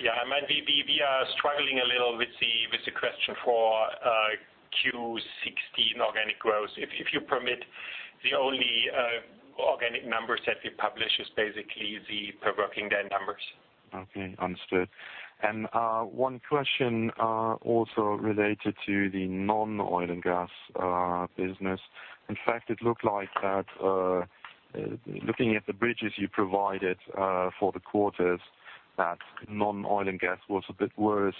Speaker 3: Yeah. We are struggling a little with the question for Q1 2016 organic growth. If you permit, the only organic numbers that we publish is basically the per working day numbers.
Speaker 11: Okay. Understood. One question also related to the non-oil and gas business. In fact, it looked like that, looking at the bridges you provided for the quarters, that non-oil and gas was a bit worse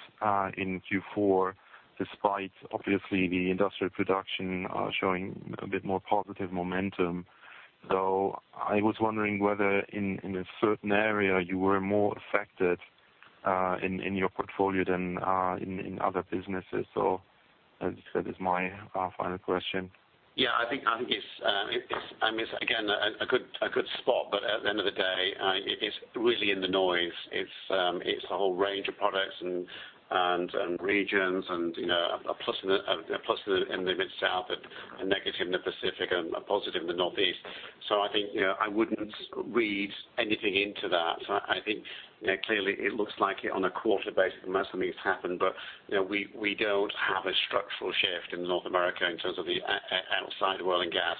Speaker 11: in Q4, despite obviously the industrial production showing a bit more positive momentum. I was wondering whether in a certain area you were more affected in your portfolio than in other businesses. That is my final question.
Speaker 2: Yeah, I think it's, again, a good spot, but at the end of the day, it is really in the noise. It's a whole range of products and regions and a plus in the Mid-South and a negative in the Pacific and a positive in the Northeast. I think I wouldn't read anything into that. I think clearly it looks like on a quarter basis, not something's happened, but we don't have a structural shift in North America in terms of the oil and gas.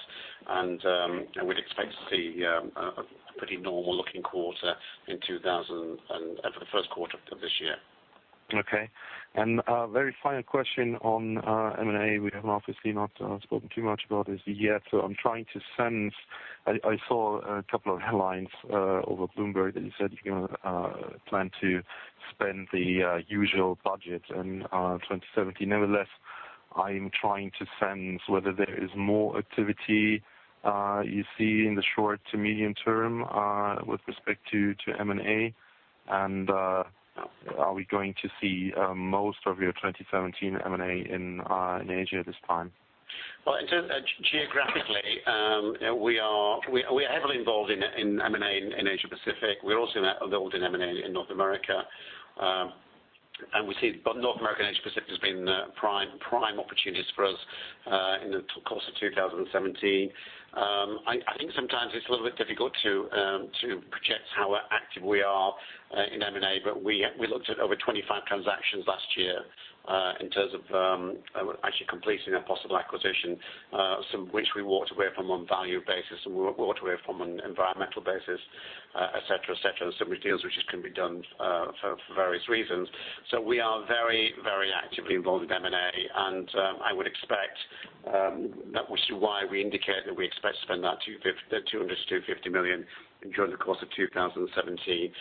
Speaker 2: We'd expect to see a pretty normal-looking quarter for the first quarter of this year.
Speaker 11: Okay. Very final question on M&A. We have obviously not spoken too much about this year, so I am trying to sense. I saw a couple of headlines over Bloomberg that you said you plan to spend the usual budget in 2017. Nevertheless, I am trying to sense whether there is more activity you see in the short to medium term with respect to M&A. Are we going to see most of your 2017 M&A in Asia this time?
Speaker 2: Well, in terms of geographically, we are heavily involved in M&A in Asia Pacific. We're also involved in M&A in North America. We see both North America and Asia Pacific as being prime opportunities for us in the course of 2017. I think sometimes it's a little bit difficult to project how active we are in M&A, but we looked at over 25 transactions last year in terms of actually completing a possible acquisition, some which we walked away from on value basis and walked away from on environmental basis, et cetera. Many deals which just couldn't be done for various reasons. We are very actively involved in M&A, and I would expect that was why we indicate that we expect to spend that $200 million to $250 million during the course of 2017.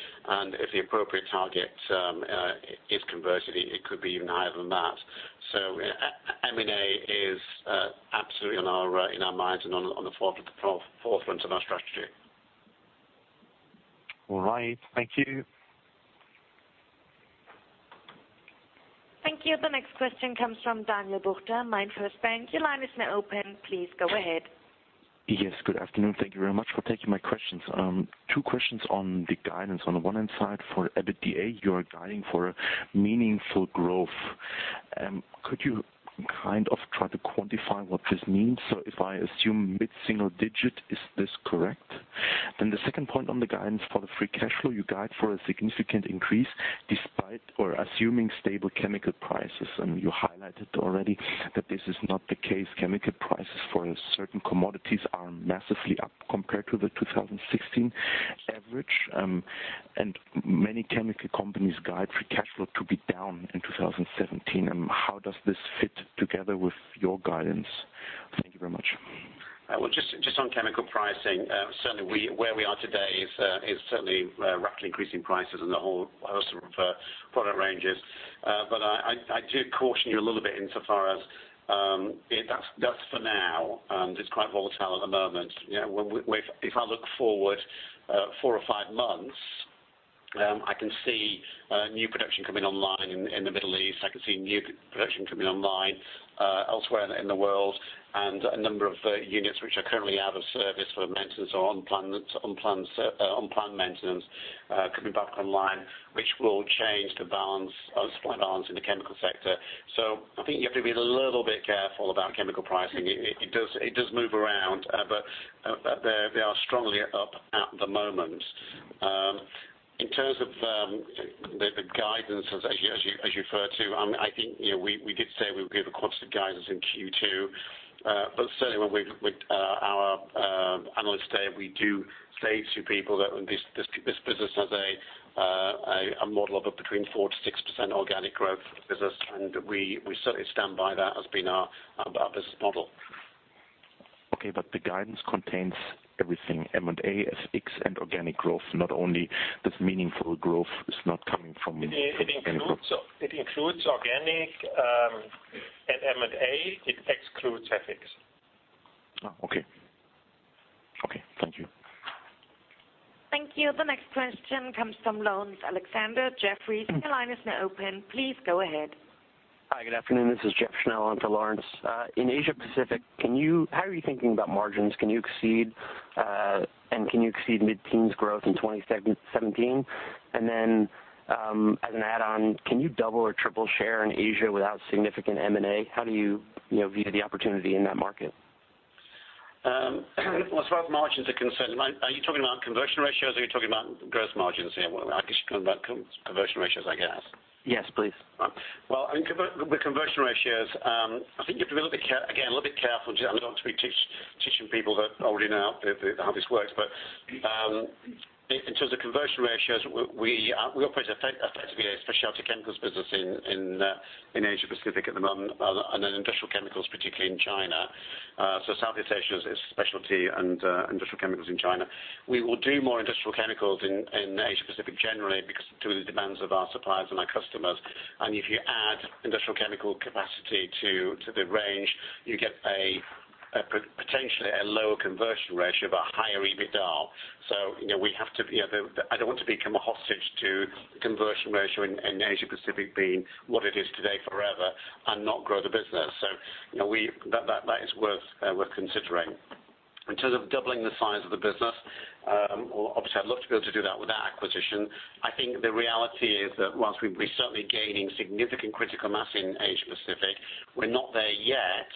Speaker 2: If the appropriate target is converted, it could be even higher than that. M&A is absolutely in our minds and on the forefront of our strategy.
Speaker 11: All right. Thank you.
Speaker 1: Thank you. The next question comes from Daniel Buchta, MainFirst Bank. Your line is now open. Please go ahead.
Speaker 12: Yes, good afternoon. Thank you very much for taking my questions. Two questions on the guidance. On the one hand side for EBITDA, you are guiding for meaningful growth. Could you kind of try to quantify what this means? If I assume mid-single digit, is this correct? The second point on the guidance for the free cash flow, you guide for a significant increase despite or assuming stable chemical prices, and you highlighted already that this is not the case. Chemical prices for certain commodities are massively up compared to the 2016 average, and many chemical companies guide free cash flow to be down in 2017. How does this fit together with your guidance? Thank you very much.
Speaker 2: Well, just on chemical pricing, certainly where we are today is certainly roughly increasing prices in the whole host of product ranges. I do caution you a little bit in so far as that's for now, and it's quite volatile at the moment. If I look forward four or five months, I can see new production coming online in the Middle East. I can see new production coming online elsewhere in the world and a number of units which are currently out of service for maintenance or unplanned maintenance coming back online, which will change the supply balance in the chemical sector. I think you have to be a little bit careful about chemical pricing. It does move around, but they are strongly up at the moment. In terms of the guidance as you refer to, I think we did say we would give a quarter of guidance in Q2. Certainly when our analysts say, we do say to people that this business has a model of between 4%-6% organic growth business, and we certainly stand by that as being our business model.
Speaker 12: The guidance contains everything, M&A, FX and organic growth. Not only this meaningful growth is not coming from meaningful chemical
Speaker 2: It includes organic and M&A. It excludes FX.
Speaker 12: Oh, okay. Thank you.
Speaker 1: Thank you. The next question comes from Laurence Alexander, Jefferies. Your line is now open. Please go ahead.
Speaker 13: Hi, good afternoon. This is Jeffrey Schnell in for Laurence. In Asia Pacific, how are you thinking about margins? Can you exceed, and can you exceed mid-teens growth in 2017? As an add-on, can you double or triple share in Asia without significant M&A? How do you view the opportunity in that market?
Speaker 2: Well, as far as margins are concerned, are you talking about conversion ratios or are you talking about gross margins here? I guess you're talking about conversion ratios, I guess.
Speaker 13: Yes, please.
Speaker 2: Well, with conversion ratios, I think you have to be, again, a little bit careful. I don't want to be teaching people that already know how this works, but in terms of conversion ratios, we operate effectively a specialty chemicals business in Asia Pacific at the moment, then industrial chemicals, particularly in China. Southeast Asia is specialty and industrial chemicals in China. We will do more industrial chemicals in Asia Pacific generally because to the demands of our suppliers and our customers. If you add industrial chemical capacity to the range, you get potentially a lower conversion ratio, but higher EBITDA. I don't want to become a hostage to the conversion ratio in Asia Pacific being what it is today forever and not grow the business. That is worth considering. In terms of doubling the size of the business, obviously I'd love to be able to do that without acquisition. I think the reality is that whilst we're certainly gaining significant critical mass in Asia Pacific, we're not there yet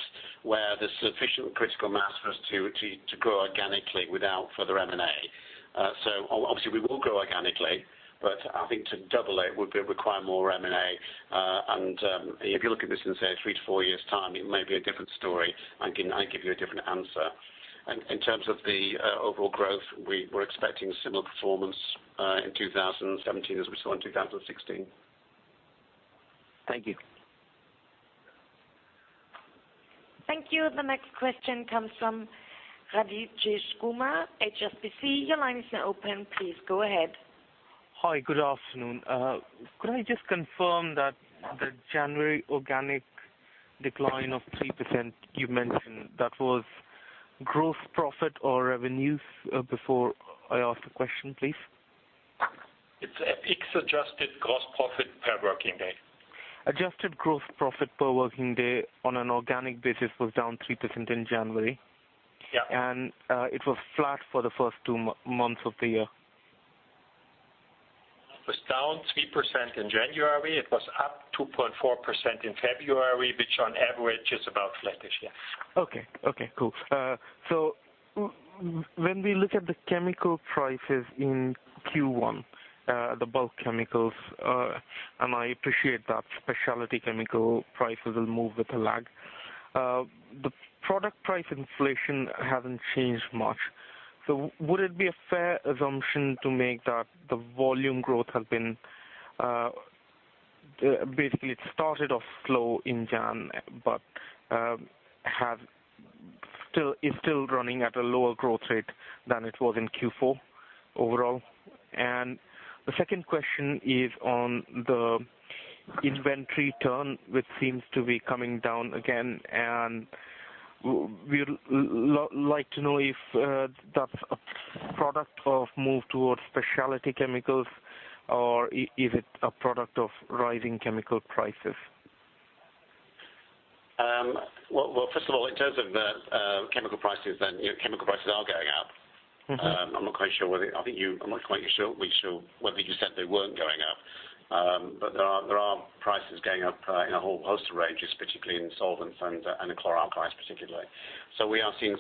Speaker 2: where there's sufficient critical mass for us to grow organically without further M&A. Obviously we will grow organically, but I think to double it would require more M&A. If you look at this in, say, three to four years' time, it may be a different story, and I can give you a different answer. In terms of the overall growth, we're expecting similar performance in 2017 as we saw in 2016.
Speaker 13: Thank you.
Speaker 1: Thank you. The next question comes from Rajesh Kumar, HSBC. Your line is now open. Please go ahead.
Speaker 3: Hi, good afternoon. Could I just confirm that the January organic decline of 3% you mentioned, that was gross profit or revenues? Before I ask the question, please. It's FX adjusted gross profit per working day.
Speaker 14: Adjusted gross profit per working day on an organic basis was down 3% in January. Yeah. It was flat for the first two months of the year.
Speaker 3: It was down 3% in January. It was up 2.4% in February, which on average is about flattish, yeah.
Speaker 14: Okay. Cool. When we look at the chemical prices in Q1, the bulk chemicals, and I appreciate that specialty chemical prices will move with a lag. The product price inflation hasn't changed much. Would it be a fair assumption to make that the volume growth, basically it started off slow in January, but is still running at a lower growth rate than it was in Q4 overall? The second question is on the inventory turn, which seems to be coming down again, and we would like to know if that's a product of move towards specialty chemicals or is it a product of rising chemical prices?
Speaker 3: Well, first of all, in terms of the chemical prices, chemical prices are going up.
Speaker 2: I'm not quite sure. I'm not quite sure whether you said they weren't going up. There are prices going up in a whole host of ranges, particularly in solvents and the chlor-alkali, particularly. We are seeing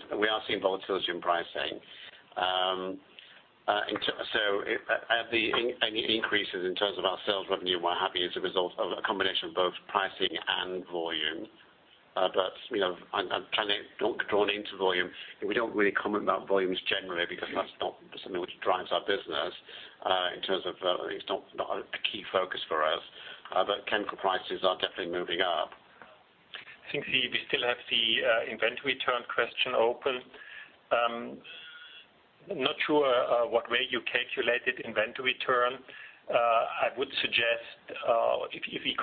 Speaker 2: volatility in pricing. Any increases in terms of our sales revenue, we're happy as a result of a combination of both pricing and volume. I'm planning don't drawn into volume and we don't really comment about volumes generally, because that's not something which drives our business, in terms of, it's not a key focus for us. Chemical prices are definitely moving up.
Speaker 3: I think we still have the inventory turn question open. I'm not sure what way you calculated inventory turn. I would suggest, if you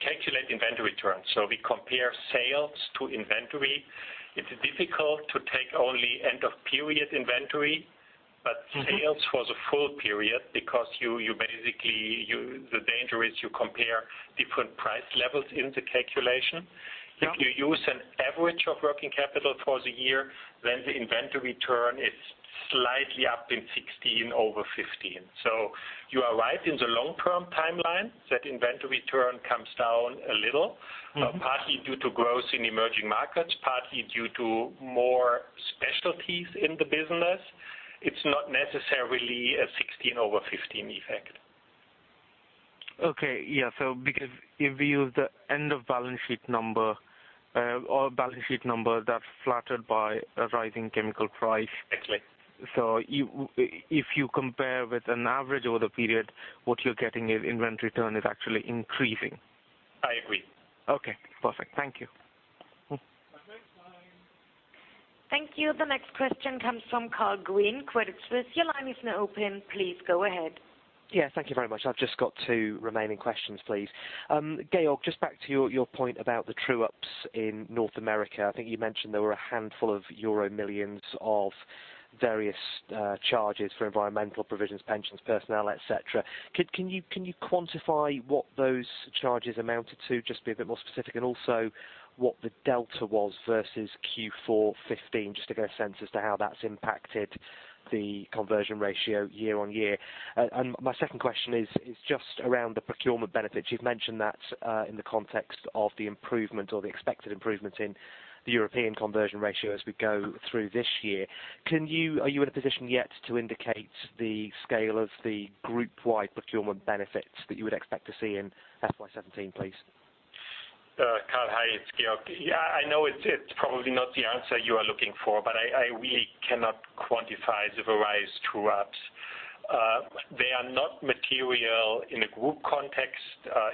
Speaker 3: calculate inventory turn, we compare sales to inventory. It's difficult to take only end of period inventory- Sales for the full period because basically, the danger is you compare different price levels in the calculation.
Speaker 14: Yeah.
Speaker 3: If you use an average of working capital for the year, then the inventory turn is slightly up in 2016 over 2015. You are right in the long-term timeline, that inventory turn comes down a little. Partly due to growth in emerging markets, partly due to more specialties in the business. It's not necessarily a 2016 over 2015 effect.
Speaker 14: Okay. Yeah, because if you use the end of balance sheet number, or balance sheet number that's flattered by a rising chemical price.
Speaker 3: Exactly.
Speaker 14: If you compare with an average over the period, what you're getting is inventory turn is actually increasing.
Speaker 3: I agree.
Speaker 14: Okay, perfect. Thank you.
Speaker 3: Operator.
Speaker 1: Thank you. The next question comes from Carl Green, Credit Suisse. Your line is now open, please go ahead.
Speaker 15: Yeah, thank you very much. I've just got two remaining questions, please. Georg, just back to your point about the true ups in North America. I think you mentioned there were a handful of euro millions of various charges for environmental provisions, pensions, personnel, et cetera. Can you quantify what those charges amounted to? Just be a bit more specific and also what the delta was versus Q4 2015, just to get a sense as to how that's impacted the conversion ratio year-on-year? My second question is just around the procurement benefits. You've mentioned that in the context of the improvement or the expected improvements in the European conversion ratio as we go through this year. Are you in a position yet to indicate the scale of the group-wide procurement benefits that you would expect to see in FY 2017, please?
Speaker 3: Carl, hi, it's Georg. Yeah, I know it's probably not the answer you are looking for, but I really cannot quantify the various true ups. They are not material in a group context,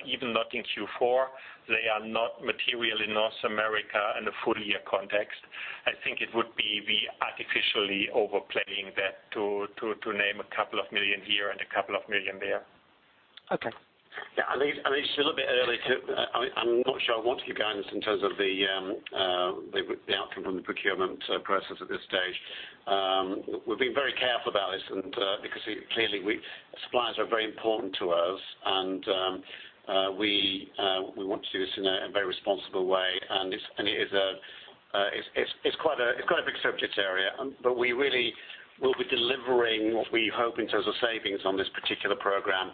Speaker 3: even not in Q4. They are not material in North America in a full year context. I think it would be we artificially overplaying that to name a couple of million here and a couple of million there.
Speaker 15: Okay.
Speaker 2: I'm not sure I want to give guidance in terms of the outcome from the procurement process at this stage. We've been very careful about this because clearly suppliers are very important to us and we want to do this in a very responsible way. It's quite a big subject area, but we really will be delivering what we hope in terms of savings on this particular program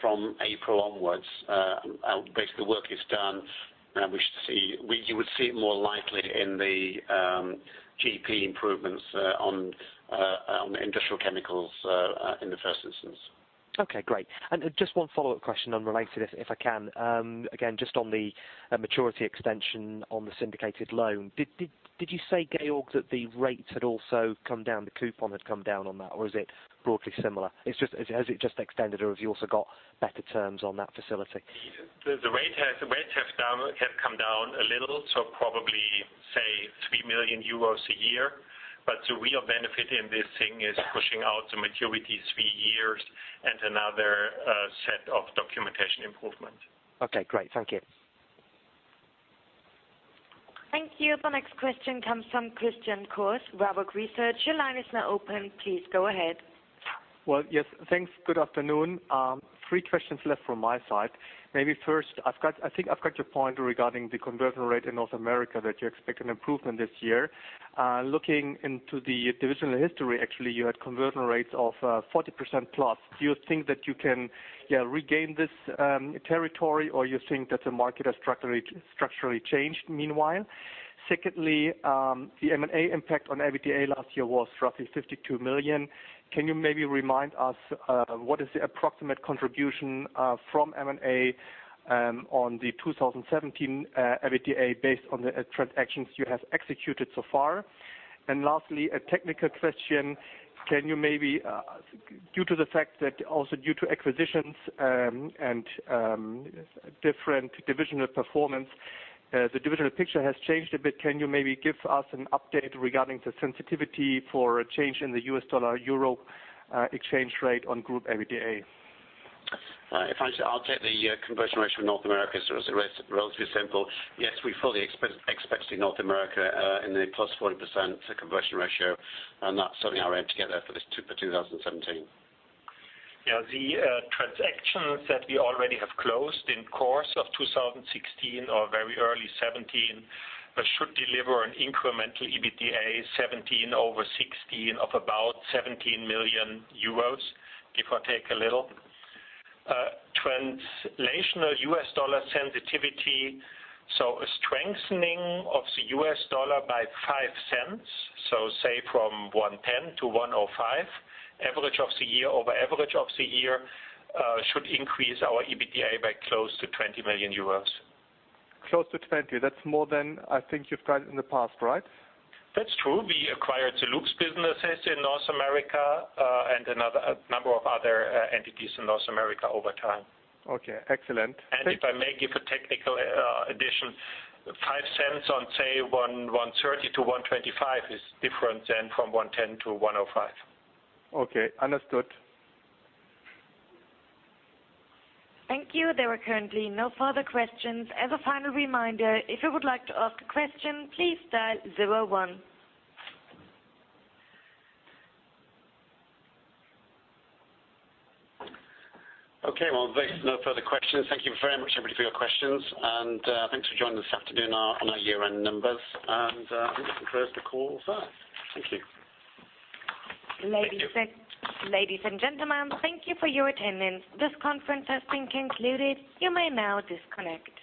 Speaker 2: from April onwards. Basically, the work is done and you would see it more likely in the GP improvements on industrial chemicals in the first instance.
Speaker 15: Okay, great. Just one follow-up question unrelated, if I can. Again, just on the maturity extension on the syndicated loan. Did you say, Georg, that the rates had also come down, the coupon had come down on that, or is it broadly similar? Has it just extended or have you also got better terms on that facility?
Speaker 3: The rates have come down a little, so probably say 3 million euros a year. The real benefit in this thing is pushing out the maturity three years and another set of documentation improvement.
Speaker 15: Okay, great. Thank you.
Speaker 1: Thank you. The next question comes from Christian Kohlpaintner, Warburg Research. Your line is now open. Please go ahead.
Speaker 16: Yes, thanks. Good afternoon. Three questions left from my side. Maybe first, I think I've got your point regarding the conversion rate in North America, that you expect an improvement this year. Looking into the divisional history, actually, you had conversion rates of 40% plus. Do you think that you can regain this territory, or you think that the market has structurally changed meanwhile? Secondly, the M&A impact on EBITDA last year was roughly 52 million. Can you maybe remind us what is the approximate contribution from M&A on the 2017 EBITDA based on the transactions you have executed so far? Lastly, a technical question. Can you maybe, due to the fact that also due to acquisitions and different divisional performance, the divisional picture has changed a bit, can you maybe give us an update regarding the sensitivity for a change in the US dollar/euro exchange rate on group EBITDA?
Speaker 2: I'll take the conversion ratio in North America, it's relatively simple. Yes, we fully expect North America in the plus 40% conversion ratio, that's certainly our aim to get there for 2017.
Speaker 3: The transactions that we already have closed in course of 2016 or very early 2017 should deliver an incremental EBITDA 2017 over 2016 of about 17 million euros, give or take a little. Translational U.S. dollar sensitivity, a strengthening of the U.S. dollar by $0.05, say from 110 to 105, average of the year over average of the year should increase our EBITDA by close to 20 million euros.
Speaker 16: Close to 20. That's more than I think you've guided in the past, right?
Speaker 3: That's true. We acquired the lubricants business in North America and a number of other entities in North America over time.
Speaker 16: Okay. Excellent.
Speaker 3: If I may give a technical addition. $0.05 on, say, 130-125 is different than from 110-105.
Speaker 16: Okay. Understood.
Speaker 1: Thank you. There are currently no further questions. As a final reminder, if you would like to ask a question, please dial 01.
Speaker 2: Okay, well, there's no further questions. Thank you very much everybody for your questions, and thanks for joining this afternoon on our year-end numbers. I'm going to close the call there. Thank you.
Speaker 1: Ladies and gentlemen, thank you for your attendance. This conference has been concluded. You may now disconnect.